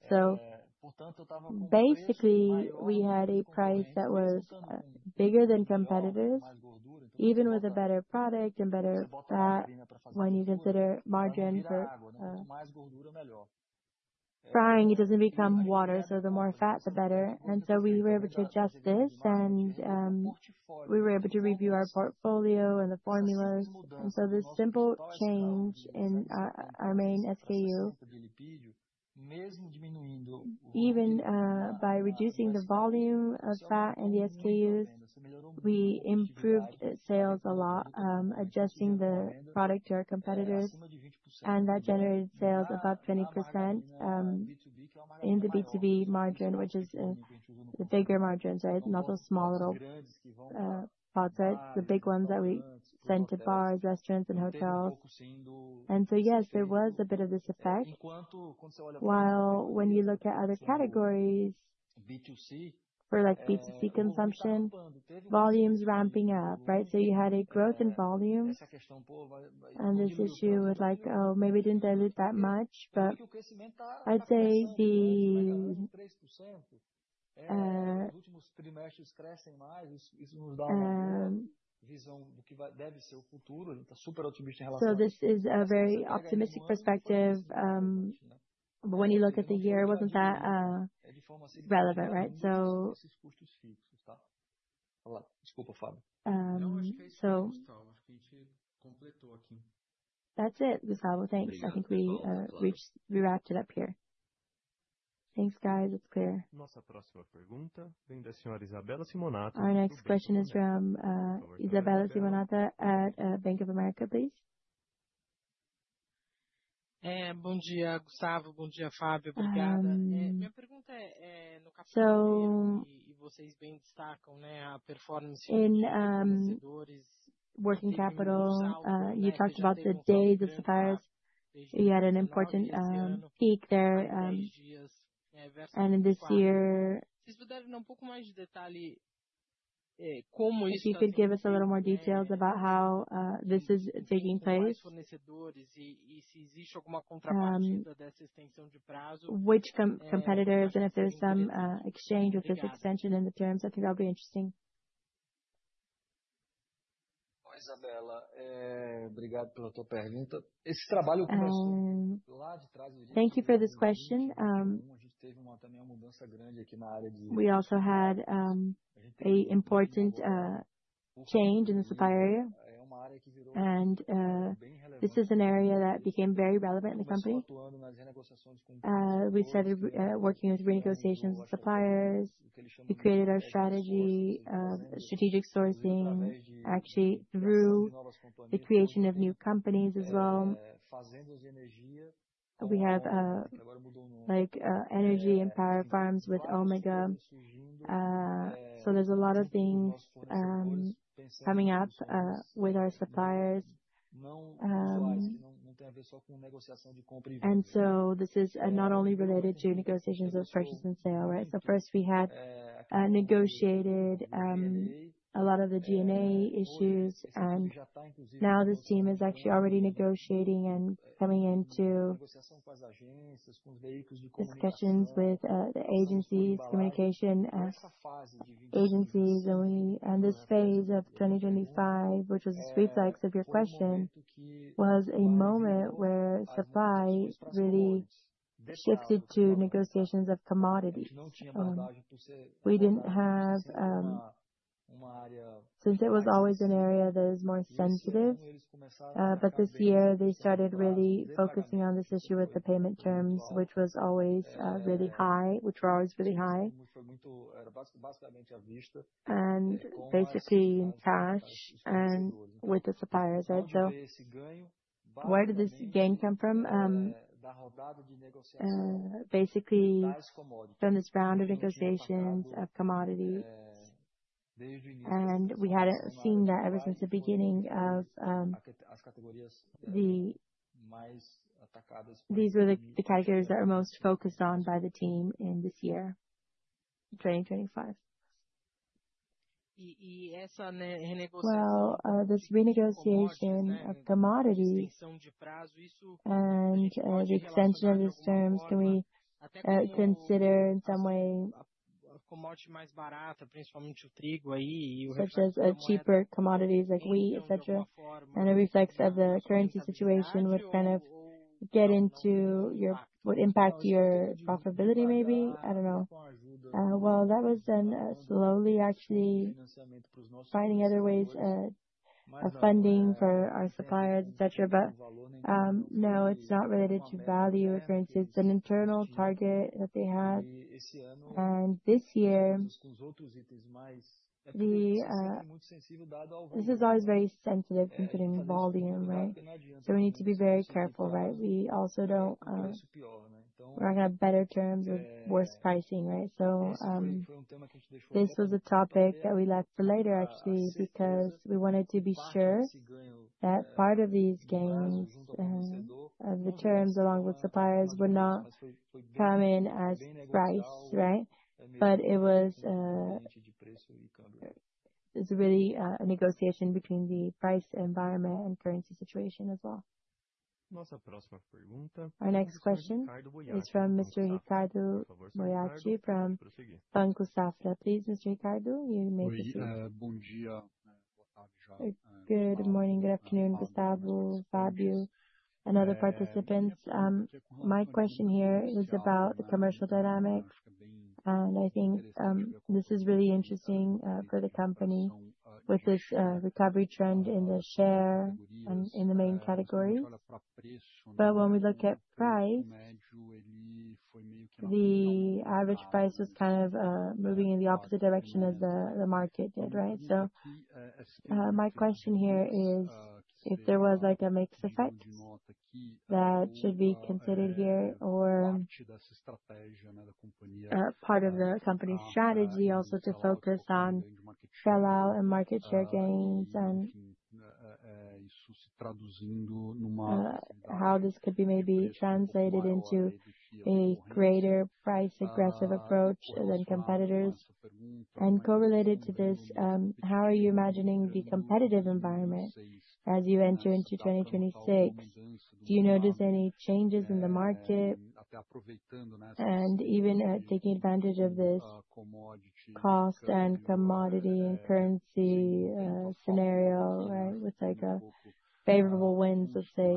Basically, we had a price that was bigger than competitors, even with a better product and better fat, when you consider margins or Frying, it doesn't become water, so the more fat, the better. We were able to adjust this, and we were able to review our portfolio and the formulas. This simple change in our main SKU, even by reducing the volume of fat in the SKUs, we improved sales a lot, adjusting the product to our competitors, and that generated sales about 20% in the B2B margin, which is the bigger margins, right? Not those small, little pockets, the big ones that we send to bars, restaurants, and hotels. Yes, there was a bit of this effect. While when you look at other categories, for like B2C consumption, volume's ramping up, right. You had a growth in volume, and this issue was like, "Oh, maybe we didn't sell it that much." I'd say the. So this is a very optimistic perspective. When you look at the year, it wasn't that relevant, right. That's it, Gustavo. Thanks. I think we wrapped it up here. Thanks, guys. It's clear. Our next question is from Isabella Simonato at Bank of America, please. In working capital, you talked about the days of suppliers. You had an important peak there. In this year, if you could give us a little more details about how this is taking place, which competitors, and if there's some exchange with this extension in the terms. I think that'll be interesting. Thank you for this question. We also had an important change in the supply area, this is an area that became very relevant in the company. We started working with renegotiations with suppliers. We created our strategy of strategic sourcing, actually, through the creation of new companies as well. We have energy and power farms with Omega. There's a lot of things coming up with our suppliers. This is not only related to negotiations of purchase and sale, right? First we had negotiated a lot of the DNA issues, now this team is actually already negotiating and coming into discussions with the agencies, communication agencies only. This phase of 2025, which was the reflex of your question, was a moment where supply really shifted to negotiations of commodities. Since it was always an area that is more sensitive, this year they started really focusing on this issue with the payment terms, which were always really high. Basically cash and with the suppliers, right? Where did this gain come from? Basically from this round of negotiations of commodities, we hadn't seen that ever since the beginning of. These were the categories that are most focused on by the team in this year, 2025. Well, this renegotiation of commodity and the extension of these terms, can we consider in some way, such as a cheaper commodities like wheat, et cetera, and a reflex of the currency situation, would impact your profitability, maybe? I don't know. Well, that was done slowly, actually, finding other ways of funding for our suppliers, et cetera. No, it's not related to value, for instance, it's an internal target that they had. This year, this is always very sensitive, including volume, right? We need to be very careful, right? We also don't. We're gonna have better terms with worse pricing, right? This was a topic that we left for later, actually, because we wanted to be sure that part of these gains of the terms along with suppliers were not coming as price, right? It was, it's really a negotiation between the price environment and currency situation as well. Our next question is from Mr. Ricardo Boiati from Banco Safra. Please, Mr. Ricardo, you may proceed. Hi, good morning, good afternoon, Gustavo, Fábio, and other participants. My question here is about the commercial dynamics, I think this is really interesting for the company with this recovery trend in the share and in the main categories. When we look at price, the average price was kind of moving in the opposite direction as the market did, right? My question here is if there was, like, a mixed effect that should be considered here or part of the company's strategy also to focus on share out and market share gains, and how this could be maybe translated into a greater price aggressive approach than competitors. Correlated to this, how are you imagining the competitive environment as you enter into 2026? Do you notice any changes in the market? Even taking advantage of this cost and commodity and currency scenario, right, with, like, a favorable wind, let's say,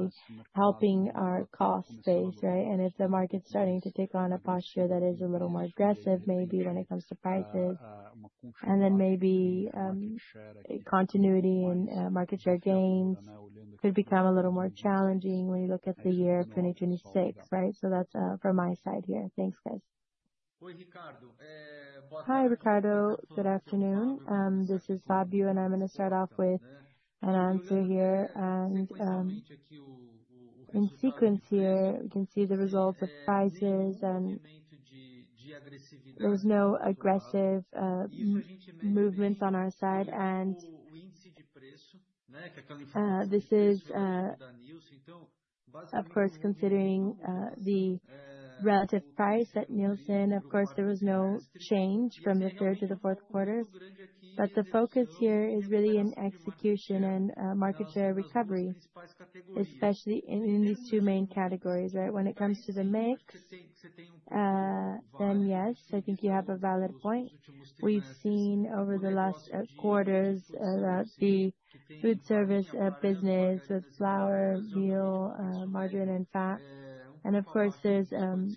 helping our cost base, right? If the market's starting to take on a posture that is a little more aggressive, maybe when it comes to prices, then maybe continuity and market share gains could become a little more challenging when you look at the year 2026, right? That's from my side here. Thanks, guys. Hi, Ricardo. Good afternoon. This is Fábio, and I'm gonna start off with an answer here. In sequence here, we can see the results of prices, and there was no aggressive movements on our side. This is, of course, considering the relative price at Nielsen, of course, there was no change from the third to the fourth quarter. The focus here is really in execution and market share recovery, especially in these two main categories, right? When it comes to the mix, yes, I think you have a valid point. We've seen over the last quarters that the food service business with flour, meal, margarine and fat, of course there's an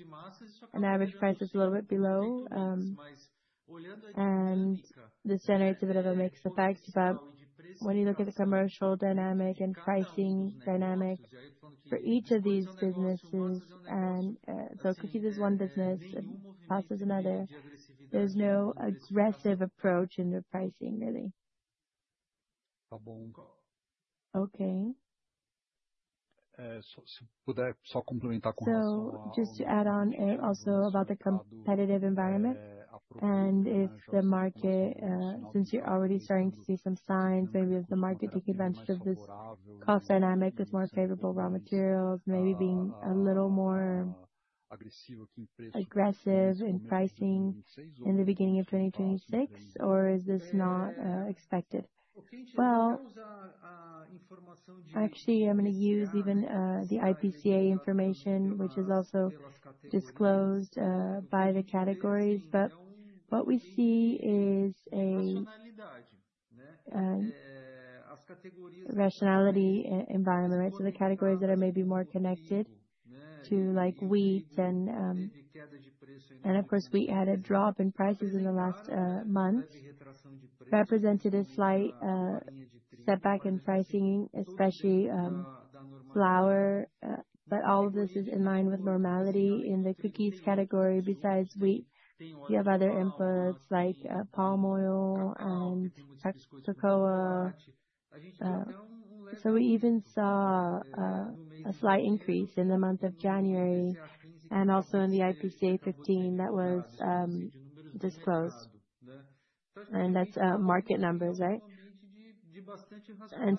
average price that's a little bit below, and this generates a bit of a mix effect. When you look at the commercial dynamic and pricing dynamic for each of these businesses, cookie is one business and fats is another. There's no aggressive approach in the pricing, really. Okay. Just to add on, also about the competitive environment, and if the market, since you're already starting to see some signs, maybe if the market take advantage of this cost dynamic with more favorable raw materials, maybe being a little more aggressive in pricing in the beginning of 2026, or is this not expected? Well, actually, I'm gonna use even the IPCA information, which is also disclosed by the categories. What we see is a rationality environment, right? The categories that are maybe more connected to like wheat and... Of course, wheat had a drop in prices in the last month, represented a slight setback in pricing, especially flour. All of this is in line with normality in the cookies category. Besides wheat, you have other inputs like palm oil and cocoa. We even saw a slight increase in the month of January, and also in the IPCA-15, that was disclosed. That's market numbers, right?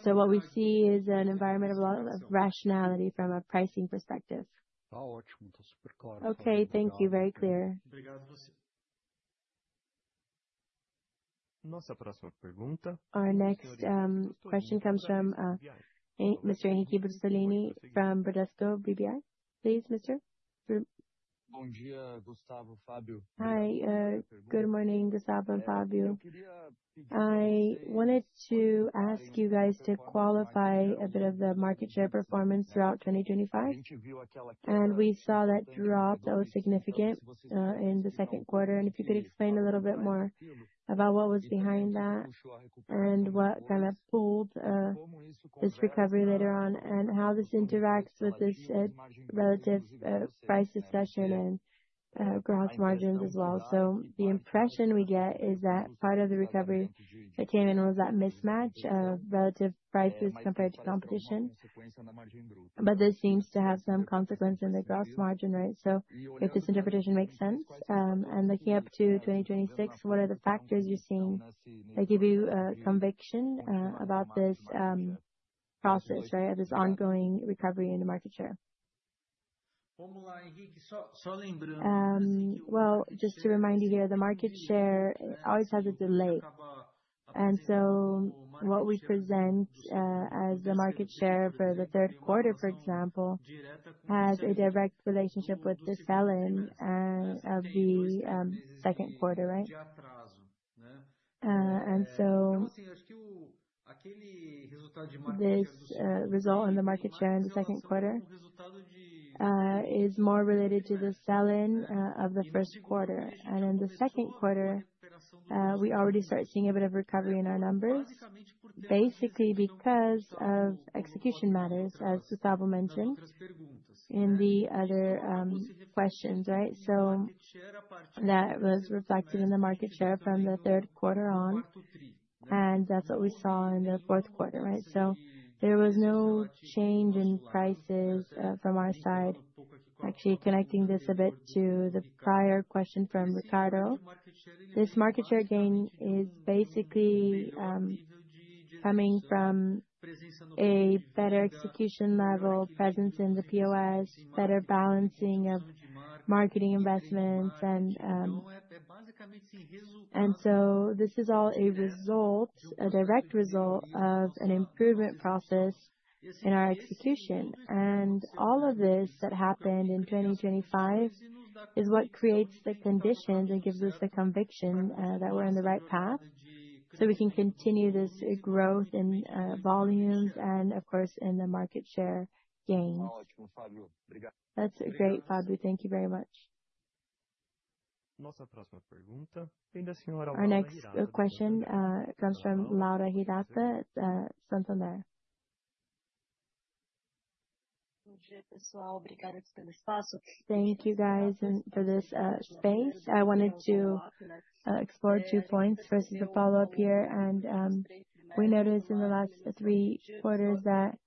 What we see is an environment of a lot of rationality from a pricing perspective. Okay, thank you. Very clear. Our next question comes from Mr. Henrique Brustolin from Bradesco BBI. Please, mister? Hi, good morning, Gustavo and Fábio Cefaly. I wanted to ask you guys to qualify a bit of the market share performance throughout 2025. We saw that drop that was significant in the second quarter, and if you could explain a little bit more about what was behind that and what kind of pulled this recovery later on, and how this interacts with this relative price recession and gross margins as well. The impression we get is that part of the recovery that came in was that mismatch of relative prices compared to competition. This seems to have some consequence in the gross margin, right? If this interpretation makes sense, and looking up to 2026, what are the factors you're seeing that give you conviction about this process, right? This ongoing recovery in the market share? Well, just to remind you here, the market share always has a delay. What we present as the market share for the third quarter, for example, has a direct relationship with the sell-in of the second quarter, right? This result on the market share in the second quarter is more related to the sell-in of the first quarter. In the second quarter, we already start seeing a bit of recovery in our numbers, basically because of execution matters, as Gustavo mentioned in the other questions, right? That was reflected in the market share from the third quarter on, and that's what we saw in the fourth quarter, right? There was no change in prices from our side. Actually, connecting this a bit to the prior question from Ricardo, this market share gain is basically coming from a better execution level, presence in the POS, better balancing of marketing investments, and... This is all a result, a direct result, of an improvement process in our execution. All of this that happened in 2025, is what creates the conditions and gives us the conviction that we're on the right path, so we can continue this growth in volumes and of course, in the market share gains. That's great, Fábio. Thank you very much. Our next question comes from Laura Hirata at Santander. Thank you, guys, and for this space. I wanted to explore 2 points. First is a follow-up here. We noticed in the last 3 quarters that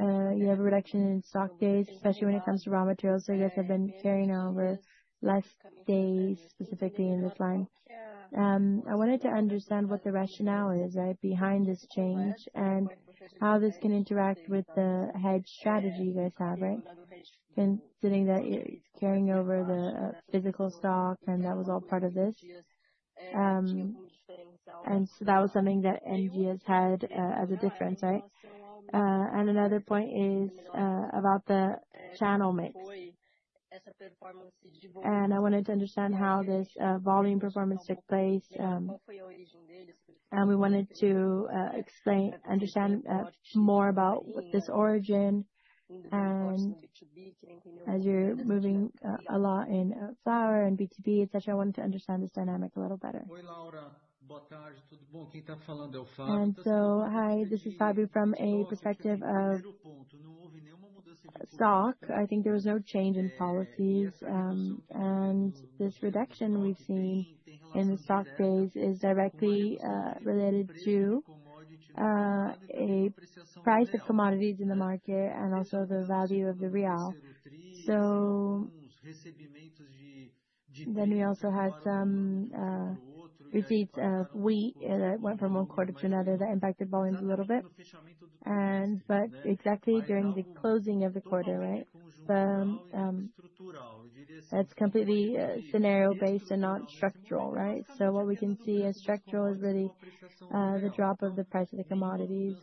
you have a reduction in stock days, especially when it comes to raw materials. You guys have been carrying over less days, specifically in this line. I wanted to understand what the rationale is, right, behind this change, and how this can interact with the hedge strategy you guys have, right? Considering that it's carrying over the physical stock, and that was all part of this. That was something that M. Dias Branco had as a difference, right? Another point is about the channel mix. I wanted to understand how this volume performance took place, and we wanted to understand more about what this origin, and as you're moving a lot in flour and B2B, et cetera, I wanted to understand this dynamic a little better. Hi, this is Fábio. From a perspective of stock, I think there was no change in policies. This reduction we've seen in the stock base is directly related to a price of commodities in the market and also the value of the real. We also had some receipts of wheat that went from one quarter to another that impacted volumes a little bit. Exactly during the closing of the quarter, right? That's completely scenario-based and not structural, right? What we can see as structural is really, the drop of the price of the commodities,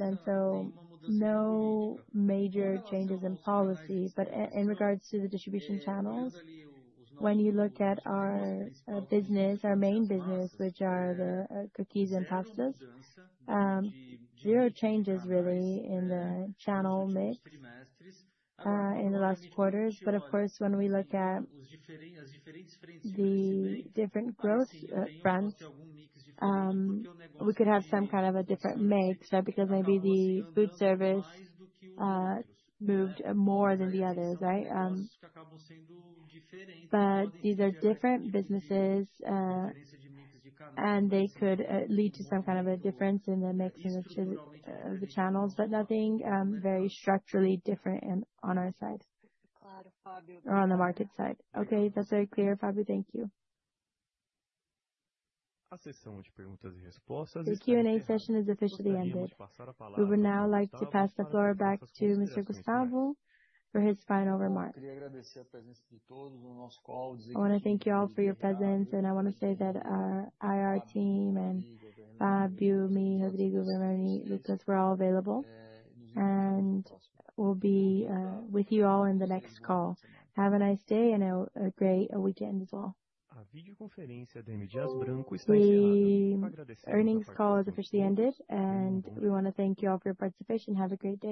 no major changes in policy. In regards to the distribution channels, when you look at our business, our main business, which are the cookies and pastas, there are changes really in the channel mix, in the last quarters. Of course, when we look at the different growth fronts, we could have some kind of a different mix, because maybe the food service moved more than the others, right? These are different businesses, and they could lead to some kind of a difference in the mix in which of the channels, nothing very structurally different in, on our side. Or on the market side. Okay, that's very clear, Fábio. Thank you. The Q&A session has officially ended. We would now like to pass the floor back to Mr. Gustavo for his final remarks. I wanna thank you all for your presence, and I wanna say that our IR team and Fábio, me, Rodrigo, Breno, Lucas, we're all available, and we'll be with you all in the next call. Have a nice day and a great weekend as well. The earnings call is officially ended. We wanna thank you all for your participation. Have a great day.